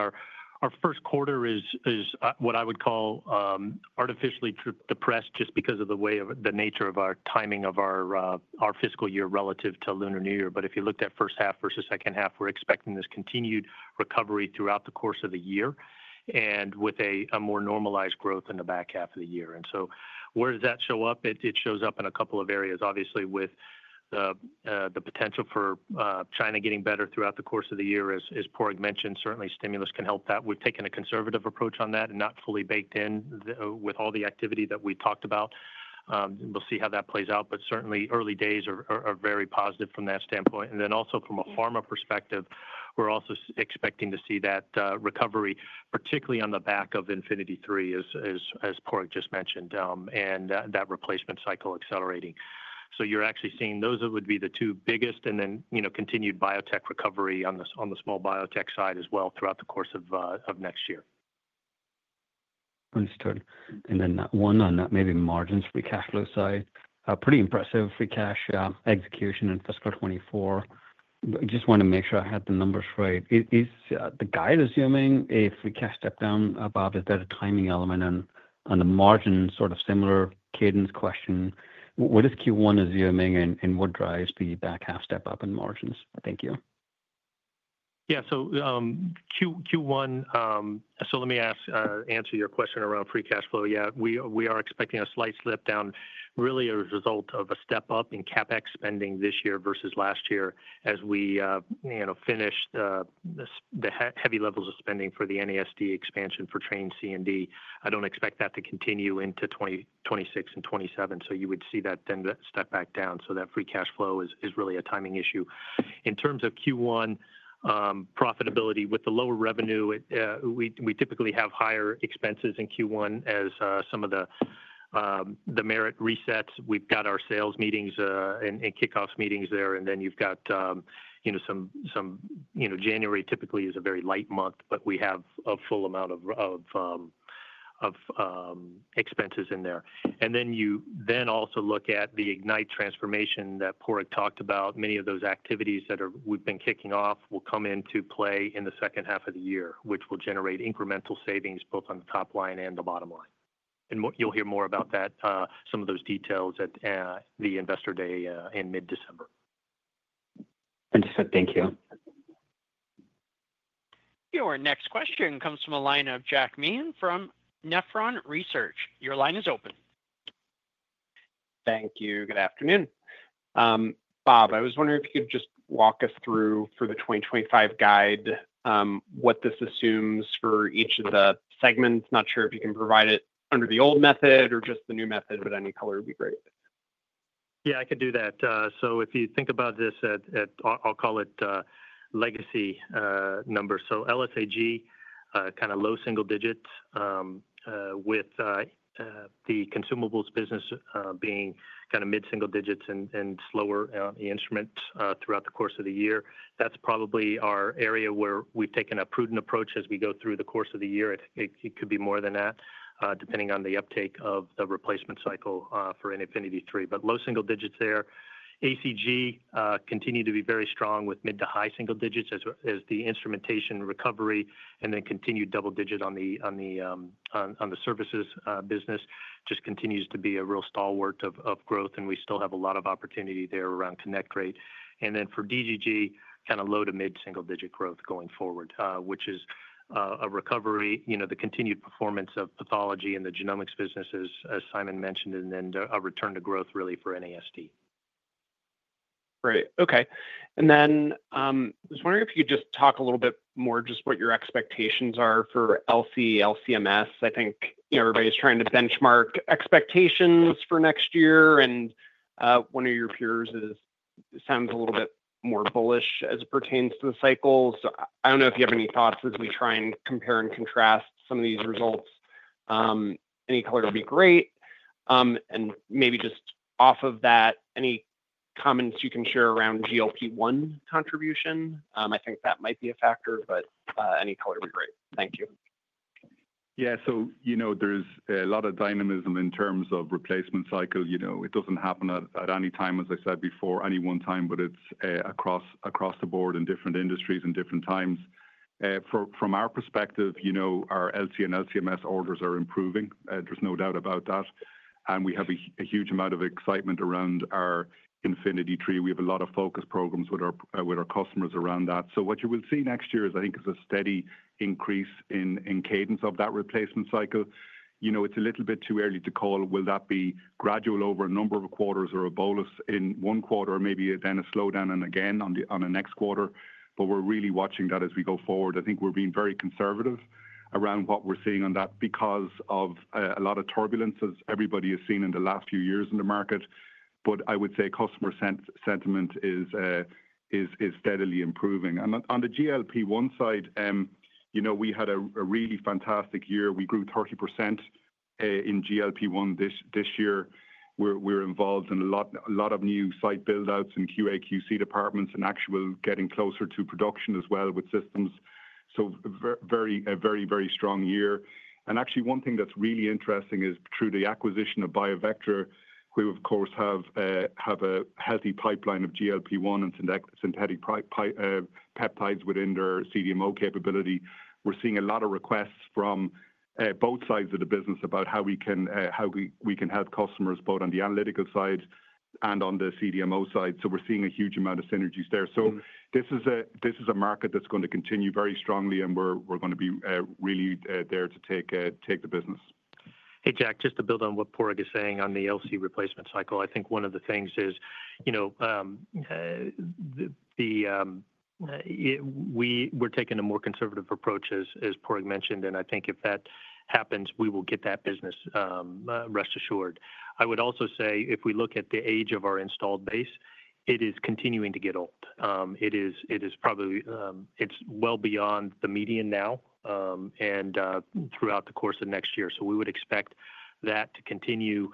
our first quarter is what I would call artificially depressed just because of the nature of our timing of our fiscal year relative to Lunar New Year. But if you looked at first half versus second half, we're expecting this continued recovery throughout the course of the year and with a more normalized growth in the back half of the year. And so where does that show up? It shows up in a couple of areas. Obviously, with the potential for China getting better throughout the course of the year, as Padraig mentioned, certainly stimulus can help that. We've taken a conservative approach on that and not fully baked in with all the activity that we talked about. We'll see how that plays out, but certainly, early days are very positive from that standpoint and then also from a pharma perspective, we're also expecting to see that recovery, particularly on the back of Infinity III, as Padraig just mentioned, and that replacement cycle accelerating so you're actually seeing those would be the two biggest and then continued biotech recovery on the small biotech side as well throughout the course of next year. Understood and then one on maybe margins free cash flow side. Pretty impressive free cash execution in fiscal 2024. I just want to make sure I had the numbers right. Is the guide assuming a free cash step down, Bob? Is that a timing element? And on the margins, sort of similar cadence question. What is Q1 assuming and what drives the back half step up in margins? Thank you. Yeah. So Q1, so let me answer your question around free cash flow. Yeah, we are expecting a slight slip down really as a result of a step up in CapEx spending this year versus last year as we finished the heavy levels of spending for the NASD expansion for Train C and D. I don't expect that to continue into 2026 and 2027. So you would see that then step back down. So that free cash flow is really a timing issue. In terms of Q1 profitability, with the lower revenue, we typically have higher expenses in Q1 as some of the merit resets. We've got our sales meetings and kickoff meetings there, and then you've got some January, typically is a very light month, but we have a full amount of expenses in there, and then you then also look at the Ignite transformation that Padraig talked about. Many of those activities that we've been kicking off will come into play in the second half of the year, which will generate incremental savings both on the top line and the bottom line, and you'll hear more about that, some of those details at the investor day in mid-December. Understood. Thank you. Your next question comes from a line of Jack Meehan from Nephron Research. Your line is open. Thank you. Good afternoon. Bob, I was wondering if you could just walk us through for the 2025 guide what this assumes for each of the segments. Not sure if you can provide it under the old method or just the new method, but any color would be great. Yeah, I could do that. So if you think about this at, I'll call it legacy numbers. So LSAG, kind of low single digits with the consumables business being kind of mid single digits and slower on the instrument throughout the course of the year. That's probably our area where we've taken a prudent approach as we go through the course of the year. It could be more than that depending on the uptake of the replacement cycle for Infinity III. But low single digits there. ACG continue to be very strong with mid to high single-digits as the instrumentation recovery and then continued double-digit on the services business just continues to be a real stalwart of growth, and we still have a lot of opportunity there around connect rate, and then for DGG, kind of low- to mid-single-digit growth going forward, which is a recovery, the continued performance of pathology and the genomics business, as Simon mentioned, and then a return to growth really for NASD. Great. Okay, and then I was wondering if you could just talk a little bit more just what your expectations are for LC, LC/MS. I think everybody's trying to benchmark expectations for next year, and one of your peers sounds a little bit more bullish as it pertains to the cycles. I don't know if you have any thoughts as we try and compare and contrast some of these results. Any color would be great. And maybe just off of that, any comments you can share around GLP-1 contribution? I think that might be a factor, but any color would be great. Thank you. Yeah. So there's a lot of dynamism in terms of replacement cycle. It doesn't happen at any time, as I said before, any one time, but it's across the board in different industries and different times. From our perspective, our LC and LC/MS orders are improving. There's no doubt about that. And we have a huge amount of excitement around our Infinity III. We have a lot of focus programs with our customers around that. So what you will see next year is, I think, a steady increase in cadence of that replacement cycle. It's a little bit too early to call. Will that be gradual over a number of quarters or a bolus in one quarter, maybe then a slowdown and again on the next quarter, but we're really watching that as we go forward. I think we're being very conservative around what we're seeing on that because of a lot of turbulence as everybody has seen in the last few years in the market, but I would say customer sentiment is steadily improving, and on the GLP-1 side, we had a really fantastic year. We grew 30% in GLP-1 this year. We're involved in a lot of new site buildouts in QA, QC departments and actual getting closer to production as well with systems, so a very, very, very strong year. Actually, one thing that's really interesting is through the acquisition of BIOVECTRA, who of course have a healthy pipeline of GLP-1 and synthetic peptides within their CDMO capability. We're seeing a lot of requests from both sides of the business about how we can help customers both on the analytical side and on the CDMO side. So we're seeing a huge amount of synergies there. So this is a market that's going to continue very strongly, and we're going to be really there to take the business. Hey, Jack, just to build on what Padraig is saying on the LC replacement cycle, I think one of the things is we're taking a more conservative approach, as Padraig mentioned. I think if that happens, we will get that business, rest assured. I would also say if we look at the age of our installed base, it is continuing to get old. It is probably well beyond the median now and throughout the course of next year. So we would expect that to continue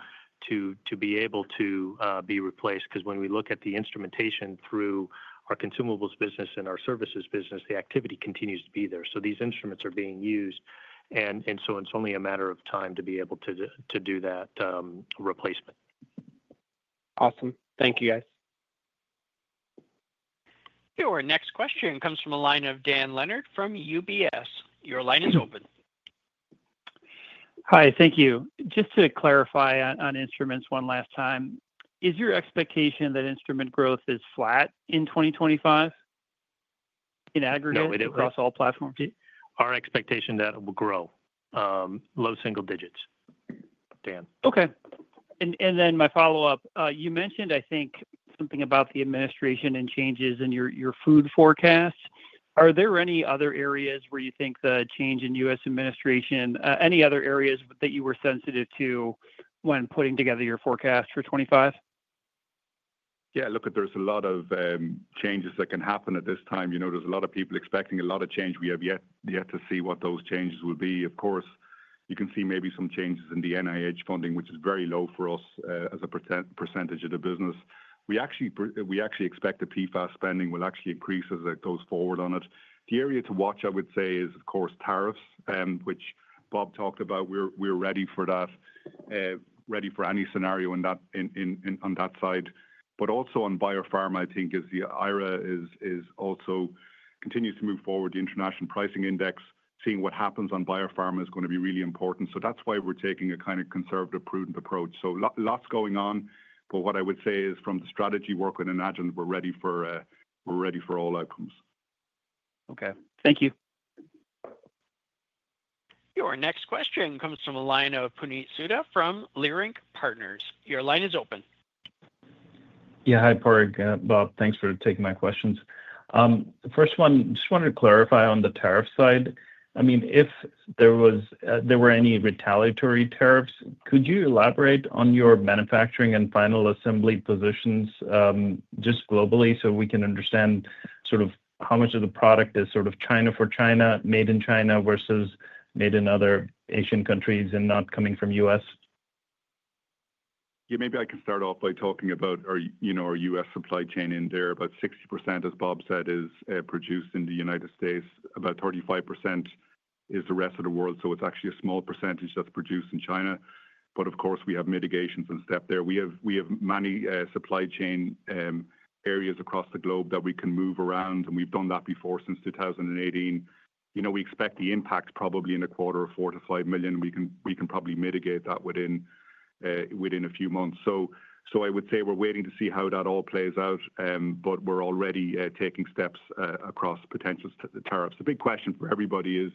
to be able to be replaced because when we look at the instrumentation through our consumables business and our services business, the activity continues to be there. So these instruments are being used. And so it's only a matter of time to be able to do that replacement. Awesome. Thank you, guys. Your next question comes from a line of Dan Leonard from UBS. Your line is open. Hi. Thank you. Just to clarify on instruments one last time, is your expectation that instrument growth is flat in 2025 in aggregate across all platforms? Our expectation that it will grow. Low single digits, Dan. Okay. Then my follow-up, you mentioned, I think, something about the administration and changes in your food forecasts. Are there any other areas where you think the change in U.S. administration, any other areas that you were sensitive to when putting together your forecast for 2025? Yeah. Look, there's a lot of changes that can happen at this time. There's a lot of people expecting a lot of change. We have yet to see what those changes will be. Of course, you can see maybe some changes in the NIH funding, which is very low for us as a percentage of the business. We actually expect the PFAS spending will actually increase as it goes forward on it. The area to watch, I would say, is, of course, tariffs, which Bob talked about. We're ready for that, ready for any scenario on that side. But also on biopharma, I think, is the IRA is also continues to move forward. The International Pricing Index, seeing what happens on biopharma is going to be really important. So that's why we're taking a kind of conservative, prudent approach. So lots going on. But what I would say is from the strategy work, we're ready for all outcomes. Okay. Thank you. Your next question comes from a line of Puneet Souda from Leerink Partners. Your line is open. Yeah. Hi, Padraig. Bob, thanks for taking my questions. First one, just wanted to clarify on the tariff side. I mean, if there were any retaliatory tariffs, could you elaborate on your manufacturing and final assembly positions just globally so we can understand sort of how much of the product is sort of China for China, made in China versus made in other Asian countries and not coming from U.S.? Yeah. Maybe I can start off by talking about our U.S. supply chain in there. About 60%, as Bob said, is produced in the United States. About 35% is the rest of the world. So it's actually a small percentage that's produced in China. But of course, we have mitigations and step there. We have many supply chain areas across the globe that we can move around. And we've done that before since 2018. We expect the impact probably in a quarter of $4 million-$5 million. We can probably mitigate that within a few months. So I would say we're waiting to see how that all plays out, but we're already taking steps across potential tariffs. The big question for everybody is,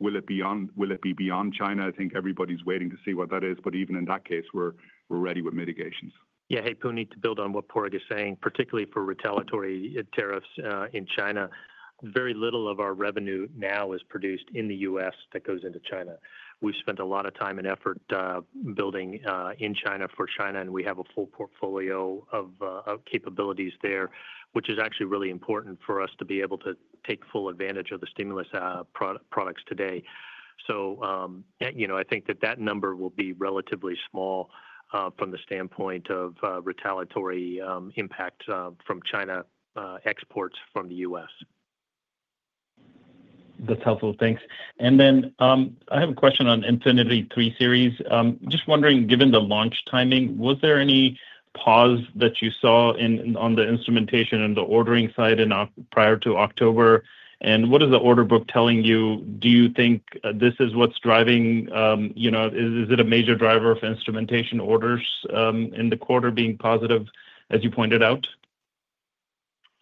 will it be beyond China? I think everybody's waiting to see what that is. But even in that case, we're ready with mitigations. Yeah. Hey, Puneet, to build on what Padraig is saying, particularly for retaliatory tariffs in China, very little of our revenue now is produced in the U.S. that goes into China. We've spent a lot of time and effort building in China for China, and we have a full portfolio of capabilities there, which is actually really important for us to be able to take full advantage of the stimulus products today. So I think that that number will be relatively small from the standpoint of retaliatory impact from China exports from the U.S. That's helpful. Thanks. And then I have a question on Infinity III series. Just wondering, given the launch timing, was there any pause that you saw on the instrumentation and the ordering side prior to October? And what is the order book telling you? Do you think this is what's driving? Is it a major driver of instrumentation orders in the quarter being positive, as you pointed out? Yeah.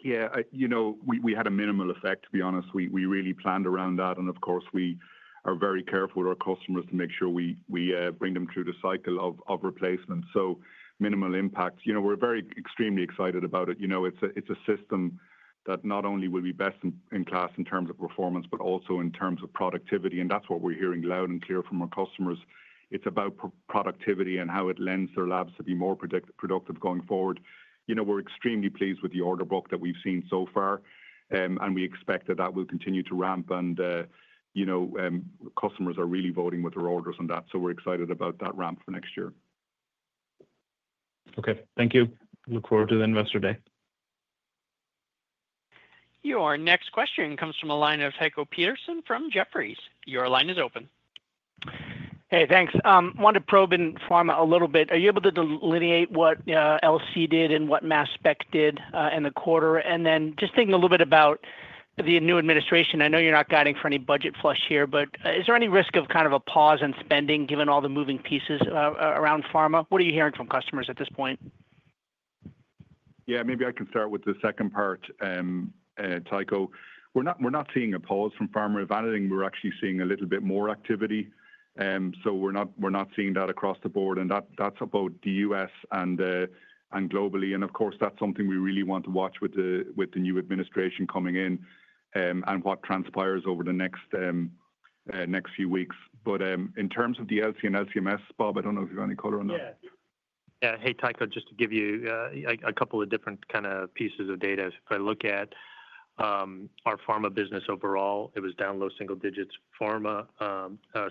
We had a minimal effect, to be honest. We really planned around that. And of course, we are very careful with our customers to make sure we bring them through the cycle of replacement. So minimal impact. We're very extremely excited about it. It's a system that not only will be best in class in terms of performance, but also in terms of productivity. And that's what we're hearing loud and clear from our customers. It's about productivity and how it lends their labs to be more productive going forward. We're extremely pleased with the order book that we've seen so far. And we expect that that will continue to ramp. And customers are really voting with their orders on that. So we're excited about that ramp for next year. Okay. Thank you. Look forward to the investor day. Your next question comes from a line of Tycho Peterson from Jefferies. Your line is open. Hey, thanks. I want to probe in pharma a little bit. Are you able to delineate what LC did and what mass spec did in the quarter? And then just thinking a little bit about the new administration, I know you're not guiding for any budget flush here, but is there any risk of kind of a pause in spending given all the moving pieces around pharma? What are you hearing from customers at this point? Yeah. Maybe I can start with the second part, Tycho. We're not seeing a pause from pharma. If anything, we're actually seeing a little bit more activity. So we're not seeing that across the board. And that's about the U.S. and globally. And of course, that's something we really want to watch with the new administration coming in and what transpires over the next few weeks. But in terms of the LC and LC/MS, Bob, I don't know if you have any color on that. Yeah. Yeah. Hey, Tycho, just to give you a couple of different kind of pieces of data. If I look at our pharma business overall, it was down low single digits. Pharma,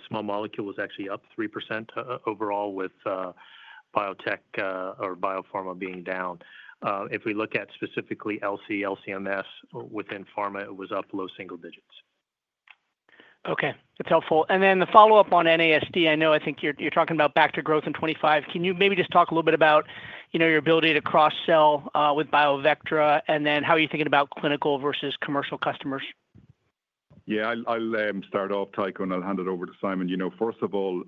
small molecule was actually up 3% overall with biotech or biopharma being down. If we look at specifically LC, LC/MS within pharma, it was up low single digits. Okay. That's helpful. And then the follow-up on NASD, I know I think you're talking about back to growth in 2025. Can you maybe just talk a little bit about your ability to cross-sell with BIOVECTRA and then how you're thinking about clinical versus commercial customers? Yeah. I'll start off, Tycho, and I'll hand it over to Simon. First of all,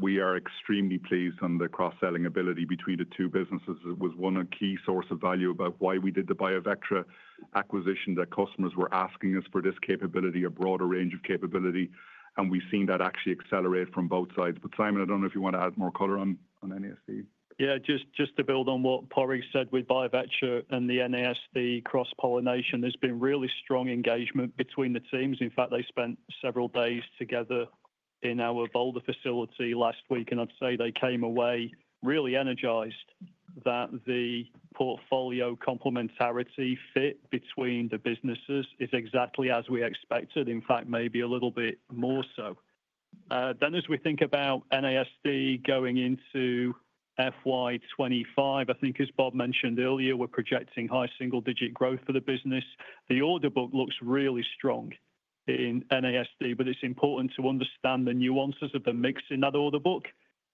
we are extremely pleased on the cross-selling ability between the two businesses. It was one key source of value about why we did the BIOVECTRA acquisition that customers were asking us for this capability, a broader range of capability, and we've seen that actually accelerate from both sides. Simon, I don't know if you want to add more color on NASD. Yeah. Just to build on what Padraig said with BIOVECTRA and the NASD cross-pollination, there's been really strong engagement between the teams. In fact, they spent several days together in our Boulder facility last week. I'd say they came away really energized that the portfolio complementarity fit between the businesses is exactly as we expected, in fact, maybe a little bit more so. Then as we think about NASD going into FY 2025, I think as Bob mentioned earlier, we're projecting high single-digit growth for the business. The order book looks really strong in NASD, but it's important to understand the nuances of the mix in that order book.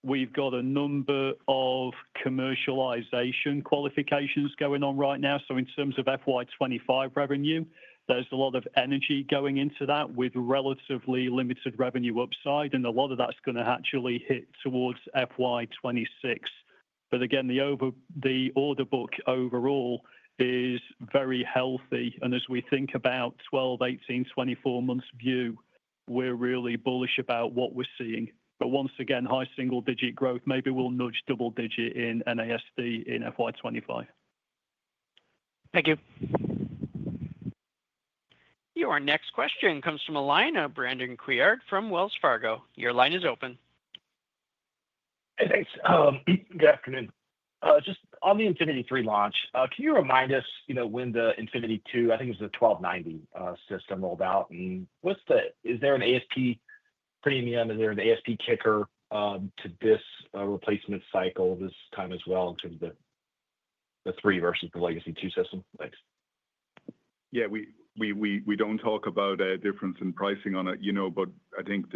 We've got a number of commercialization qualifications going on right now. So in terms of FY 2025 revenue, there's a lot of energy going into that with relatively limited revenue upside. And a lot of that's going to actually hit towards FY 2026. But again, the order book overall is very healthy. And as we think about 12, 18, 24 months view, we're really bullish about what we're seeing. But once again, high single-digit growth. Maybe we'll nudge double-digit in NASD in FY 2025. Thank you. Your next question comes from a line of Brandon Couillard from Wells Fargo. Your line is open. Hey, thanks. Good afternoon. Just on the Infinity III launch, can you remind us when the Infinity II, I think it was the 1290 system rolled out? And is there an ASP premium? Is there an ASP kicker to this replacement cycle this time as well in terms of the 3 versus the legacy 2 system? Thanks. Yeah. We don't talk about a difference in pricing on it. But I think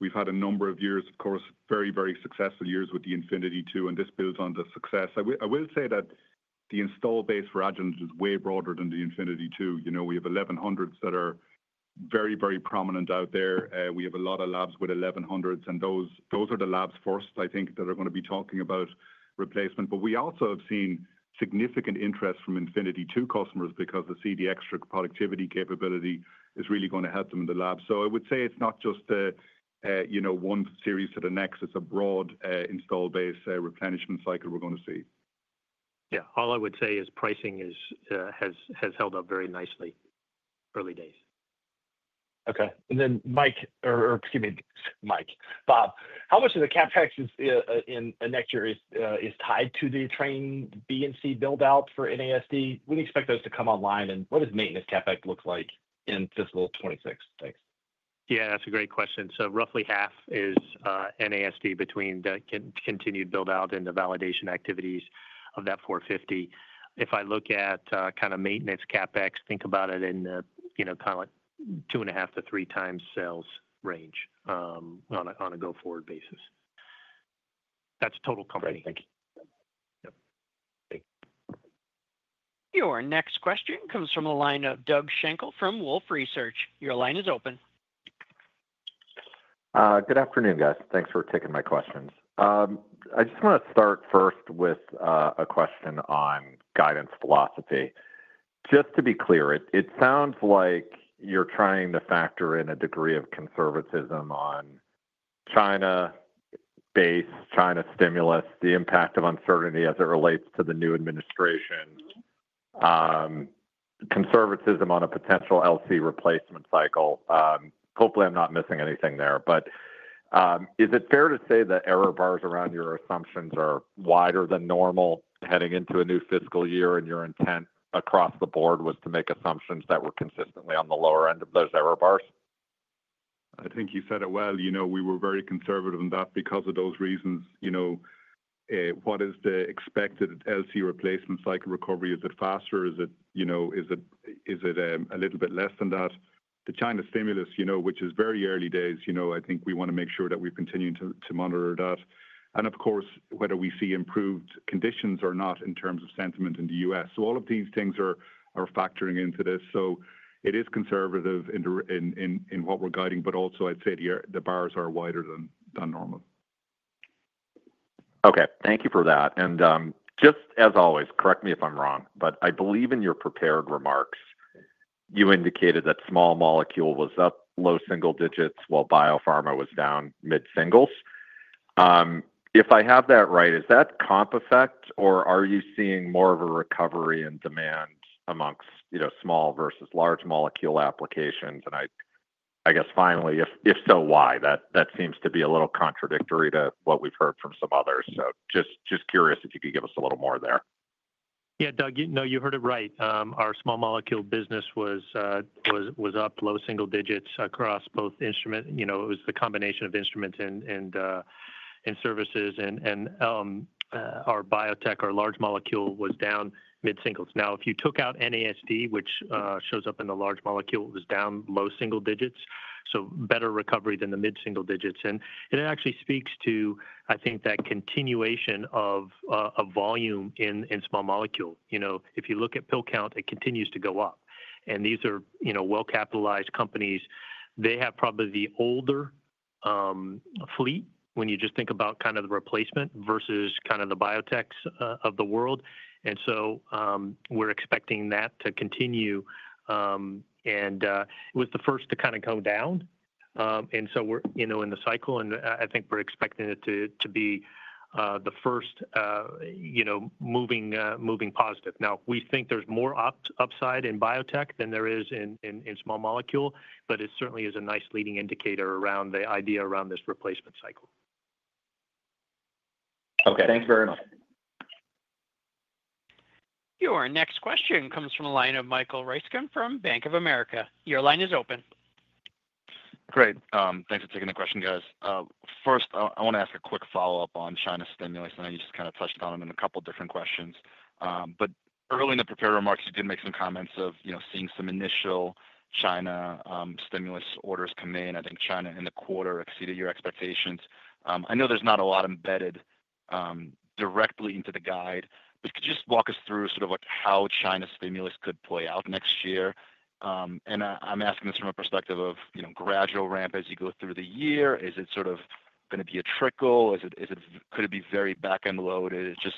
we've had a number of years, of course, very, very successful years with the Infinity II. And this builds on the success. I will say that the install base for Agilent is way broader than the Infinity II. We have 1100s that are very, very prominent out there. We have a lot of labs with 1100s. And those are the labs first, I think, that are going to be talking about replacement. But we also have seen significant interest from Infinity II customers because the CD extra productivity capability is really going to help them in the lab. So I would say it's not just one series to the next. It's a broad installed base replenishment cycle we're going to see. Yeah. All I would say is pricing has held up very nicely. Early days. Okay. And then Mike or excuse me, Mike. Bob, how much of the CapEx in next year is tied to the Train B and C build-out for NASD? We expect those to come online. And what does maintenance CapEx look like in fiscal 2026? Thanks. Yeah. That's a great question. So roughly half is NASD between the continued build-out and the validation activities of that 450. If I look at kind of maintenance CapEx, think about it in kind of 2.5x to 3x sales range on a go-forward basis. That's total. Thank you. Your next question comes from a line of Doug Schenkel from Wolfe Research. Your line is open. Good afternoon, guys. Thanks for taking my questions. I just want to start first with a question on guidance philosophy. Just to be clear, it sounds like you're trying to factor in a degree of conservatism on China-based, China stimulus, the impact of uncertainty as it relates to the new administration, conservatism on a potential LC replacement cycle. Hopefully, I'm not missing anything there. But is it fair to say that error bars around your assumptions are wider than normal heading into a new fiscal year? And your intent across the board was to make assumptions that were consistently on the lower end of those error bars? I think you said it well. We were very conservative in that because of those reasons. What is the expected LC replacement cycle recovery? Is it faster? Is it a little bit less than that? The China stimulus, which is very early days, I think we want to make sure that we continue to monitor that. And of course, whether we see improved conditions or not in terms of sentiment in the U.S. So all of these things are factoring into this. So it is conservative in what we're guiding. But also, I'd say the bars are wider than normal. Okay. Thank you for that. And just as always, correct me if I'm wrong, but I believe in your prepared remarks, you indicated that small molecule was up low single digits while biopharma was down mid-singles. If I have that right, is that comp effect, or are you seeing more of a recovery in demand among small versus large molecule applications? And I guess finally, if so, why? That seems to be a little contradictory to what we've heard from some others. So just curious if you could give us a little more there. Yeah, Doug, no, you heard it right. Our small molecule business was up low single digits across both instruments. It was the combination of instruments and services. And our biotech, our large molecule was down mid-singles. Now, if you took out NASD, which shows up in the large molecule, it was down low single-digits. Better recovery than the mid single-digits. And it actually speaks to, I think, that continuation of volume in small molecule. If you look at pill count, it continues to go up. And these are well-capitalized companies. They have probably the older fleet when you just think about kind of the replacement versus kind of the biotechs of the world. And so we're expecting that to continue. And it was the first to kind of come down. And so we're in the cycle. And I think we're expecting it to be the first moving positive. Now, we think there's more upside in biotech than there is in small molecule, but it certainly is a nice leading indicator around the idea around this replacement cycle. Okay. Thanks very much. Your next question comes from a line of Michael Ryskin from Bank of America. Your line is open. Great. Thanks for taking the question, guys. First, I want to ask a quick follow-up on China stimulus. I know you just kind of touched on it in a couple of different questions. But early in the prepared remarks, you did make some comments of seeing some initial China stimulus orders come in. I think China in the quarter exceeded your expectations. I know there's not a lot embedded directly into the guide, but could you just walk us through sort of how China stimulus could play out next year? And I'm asking this from a perspective of gradual ramp as you go through the year. Is it sort of going to be a trickle? Could it be very back-end loaded? Just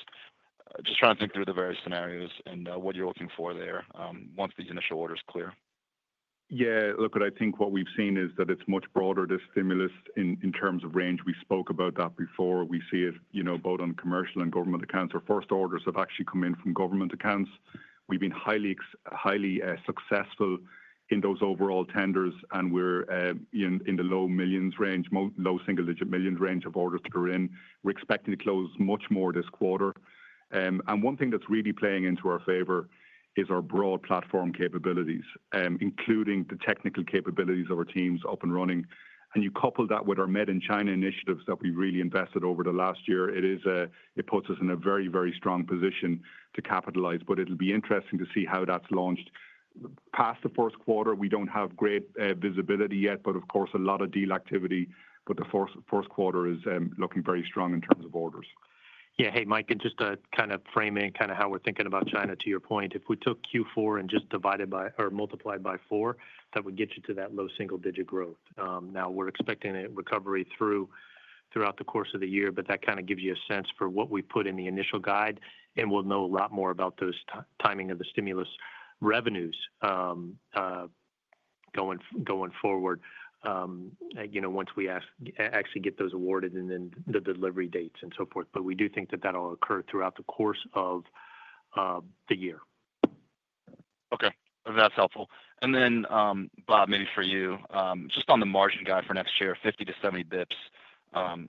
trying to think through the various scenarios and what you're looking for there once these initial orders clear. Yeah. Look, I think what we've seen is that it's much broader, this stimulus in terms of range. We spoke about that before. We see it both on commercial and government accounts. Our first orders have actually come in from government accounts. We've been highly successful in those overall tenders, and we're in the low millions range, low single-digit millions range of orders that are in. We're expecting to close much more this quarter. And one thing that's really playing into our favor is our broad platform capabilities, including the technical capabilities of our teams up and running. And you couple that with our Made in China initiatives that we've really invested over the last year. It puts us in a very, very strong position to capitalize. But it'll be interesting to see how that's launched. Past the first quarter, we don't have great visibility yet, but of course, a lot of deal activity, but the first quarter is looking very strong in terms of orders. Yeah. Hey, Mike, and just to kind of frame in kind of how we're thinking about China, to your point, if we took Q4 and just divided by or multiplied by four, that would get you to that low single-digit growth. Now, we're expecting a recovery throughout the course of the year, but that kind of gives you a sense for what we put in the initial guide, and we'll know a lot more about the timing of the stimulus revenues going forward once we actually get those awarded and then the delivery dates and so forth, but we do think that that will occur throughout the course of the year. Okay. That's helpful. Then, Bob, maybe for you, just on the margin guide for next year, 50-70 basis points,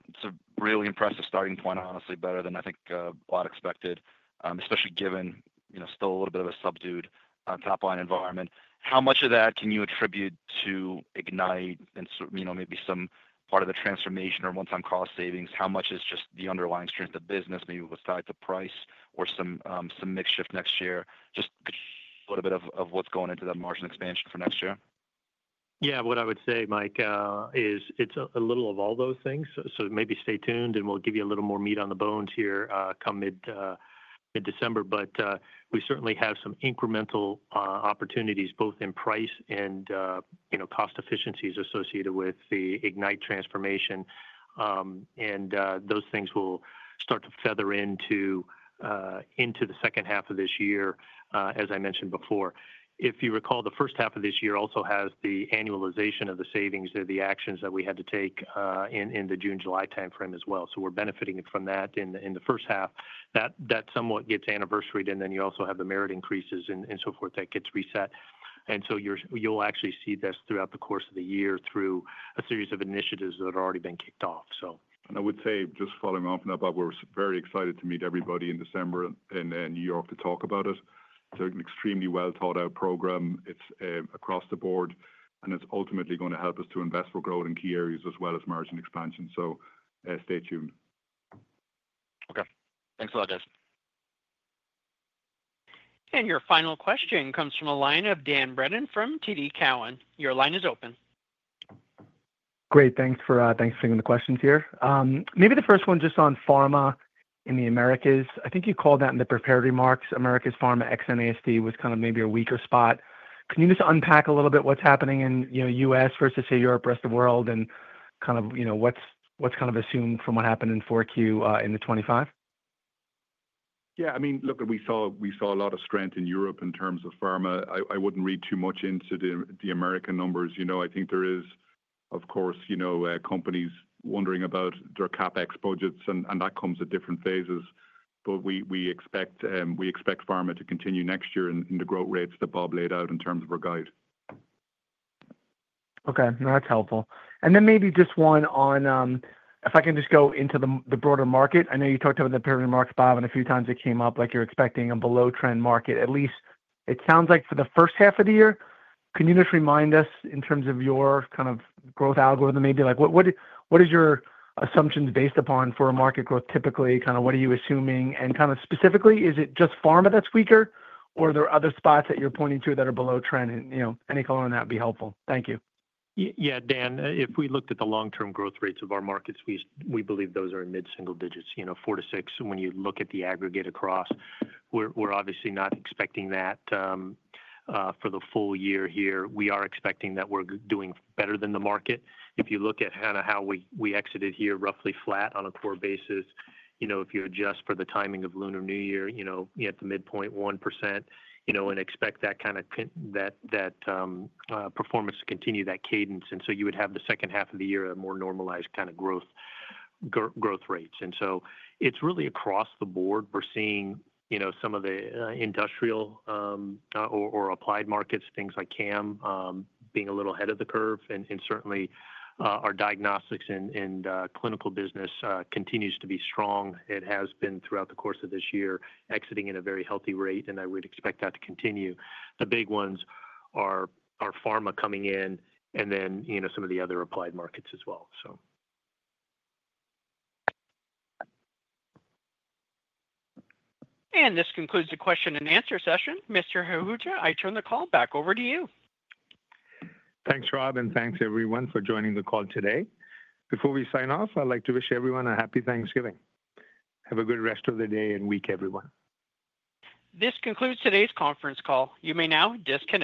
it's a really impressive starting point, honestly, better than I think a lot expected, especially given still a little bit of a subdued top-line environment. How much of that can you attribute to Ignite and maybe some part of the transformation or one-time cost savings? How much is just the underlying strength of business, maybe with tied to price or some mix shift next year? Just a little bit of what's going into that margin expansion for next year. Yeah. What I would say, Mike, is it's a little of all those things. So maybe stay tuned, and we'll give you a little more meat on the bones here come mid-December. But we certainly have some incremental opportunities both in price and cost efficiencies associated with the Ignite transformation. Those things will start to feather into the second half of this year, as I mentioned before. If you recall, the first half of this year also has the annualization of the savings of the actions that we had to take in the June-July timeframe as well. We're benefiting from that in the first half. That somewhat gets anniversaried. Then you also have the merit increases and so forth that gets reset. So you'll actually see this throughout the course of the year through a series of initiatives that have already been kicked off, so. I would say, just following off of that, Bob, we're very excited to meet everybody in December in New York to talk about it. It's an extremely well-thought-out program. It's across the board. And it's ultimately going to help us to invest for growth in key areas as well as margin expansion. So stay tuned. Okay. Thanks a lot, guys. And your final question comes from a line of Dan Brennan from TD Cowen. Your line is open. Great. Thanks for taking the questions here. Maybe the first one just on pharma in the Americas. I think you called that in the prepared remarks. Americas pharma ex-NASD was kind of maybe a weaker spot. Can you just unpack a little bit what's happening in the US versus, say, Europe, rest of the world, and kind of what's kind of assumed from what happened in 4Q in the 2025? Yeah. I mean, look, we saw a lot of strength in Europe in terms of pharma. I wouldn't read too much into the American numbers. I think there is, of course, companies wondering about their CapEx budgets, and that comes at different phases. But we expect pharma to continue next year in the growth rates that Bob laid out in terms of our guide. Okay. That's helpful. And then maybe just one on if I can just go into the broader market. I know you talked about the prepared remarks, Bob, and a few times it came up like you're expecting a below-trend market, at least. It sounds like for the first half of the year. Can you just remind us in terms of your kind of growth algorithm maybe? What are your assumptions based upon for market growth typically? Kind of what are you assuming? And kind of specifically, is it just pharma that's weaker, or are there other spots that you're pointing to that are below trend? Any color on that would be helpful. Thank you. Yeah, Dan, if we looked at the long-term growth rates of our markets, we believe those are in mid single-digits, four to six. When you look at the aggregate across, we're obviously not expecting that for the full year here. We are expecting that we're doing better than the market. If you look at kind of how we exited here, roughly flat on a core basis, if you adjust for the timing of Lunar New Year, you're at the midpoint, 1%, and expect that kind of performance to continue that cadence. And so you would have the second half of the year, a more normalized kind of growth rates. And so it's really across the board. We're seeing some of the industrial or applied markets, things like CAM, being a little ahead of the curve. Certainly, our diagnostics and clinical business continues to be strong. It has been throughout the course of this year, exiting at a very healthy rate, and I would expect that to continue. The big ones are pharma coming in and then some of the other applied markets as well, so. This concludes the question and answer session. Mr. Ahuja, I turn the call back over to you. Thanks, Rob, and thanks everyone for joining the call today. Before we sign off, I'd like to wish everyone a happy Thanksgiving. Have a good rest of the day and week, everyone. This concludes today's conference call. You may now disconnect.